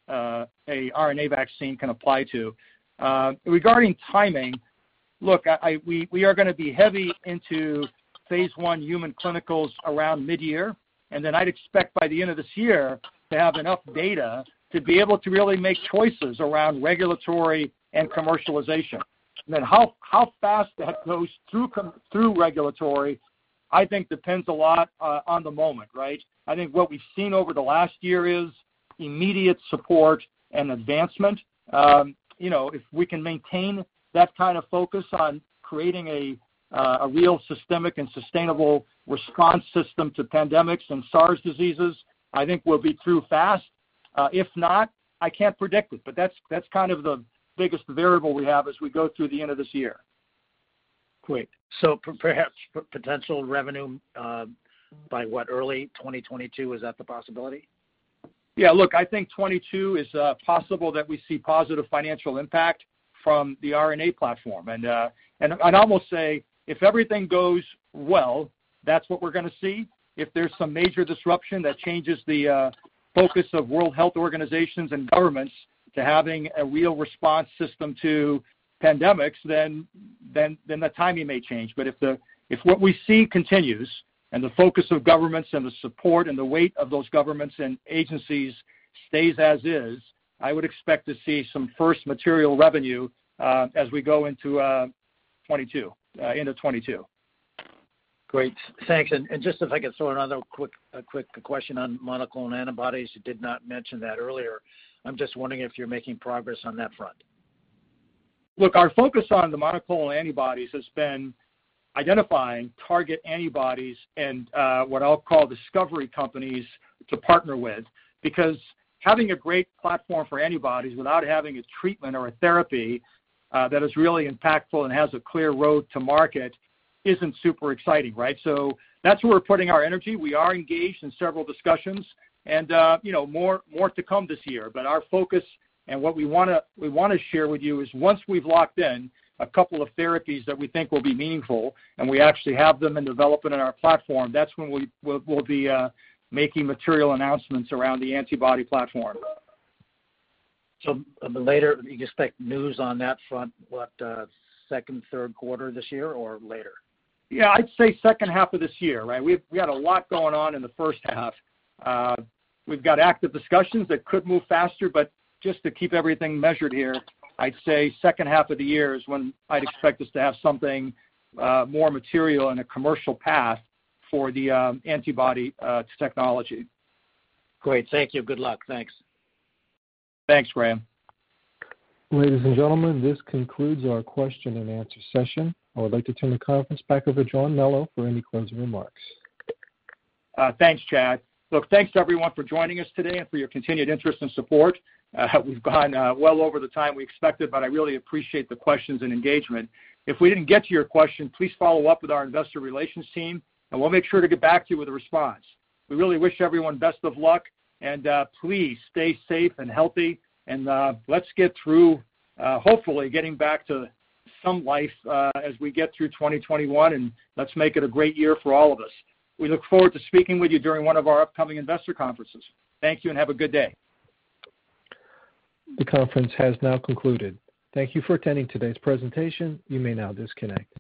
RNA vaccine can apply to. Regarding timing, look, we are going to be heavy into Phase 1 human clinicals around mid-year. And then I'd expect by the end of this year to have enough data to be able to really make choices around regulatory and commercialization. And then how fast that goes through regulatory, I think, depends a lot on the moment, right? I think what we've seen over the last year is immediate support and advancement. If we can maintain that kind of focus on creating a real systemic and sustainable response system to pandemics and SARS diseases, I think we'll be through fast. If not, I can't predict it, but that's kind of the biggest variable we have as we go through the end of this year. Great. So perhaps potential revenue by, what, early 2022? Is that the possibility? Yeah. Look, I think 2022 is possible that we see positive financial impact from the RNA platform. I'd almost say if everything goes well, that's what we're going to see. If there's some major disruption that changes the focus of the World Health Organization and governments to having a real response system to pandemics, then the timing may change. But if what we see continues and the focus of governments and the support and the weight of those governments and agencies stays as is, I would expect to see some first material revenue as we go into 2022, into 2022. Great. Thanks. Just if I could throw in another quick question on monoclonal antibodies, you did not mention that earlier. I'm just wondering if you're making progress on that front. Look, our focus on the monoclonal antibodies has been identifying target antibodies and what I'll call discovery companies to partner with because having a great platform for antibodies without having a treatment or a therapy that is really impactful and has a clear road to market isn't super exciting, right? So that's where we're putting our energy. We are engaged in several discussions, and more to come this year. But our focus and what we want to share with you is once we've locked in a couple of therapies that we think will be meaningful and we actually have them in development on our platform, that's when we'll be making material announcements around the antibody platform. So later, you expect news on that front, what, second, third quarter of this year or later? Yeah. I'd say second half of this year, right? We had a lot going on in the first half. We've got active discussions that could move faster, but just to keep everything measured here, I'd say second half of the year is when I'd expect us to have something more material in a commercial path for the antibody technology. Great. Thank you. Good luck. Thanks. Thanks, Graham. Ladies and gentlemen, this concludes our question-and-answer session. I would like to turn the conference back over to John Melo for any closing remarks. Thanks, Chad. Look, thanks to everyone for joining us today and for your continued interest and support. We've gone well over the time we expected, but I really appreciate the questions and engagement. If we didn't get to your question, please follow up with our investor relations team, and we'll make sure to get back to you with a response. We really wish everyone best of luck, and please stay safe and healthy, and let's get through, hopefully, getting back to some life as we get through 2021, and let's make it a great year for all of us. We look forward to speaking with you during one of our upcoming investor conferences. Thank you and have a good day. The conference has now concluded. Thank you for attending today's presentation. You may now disconnect.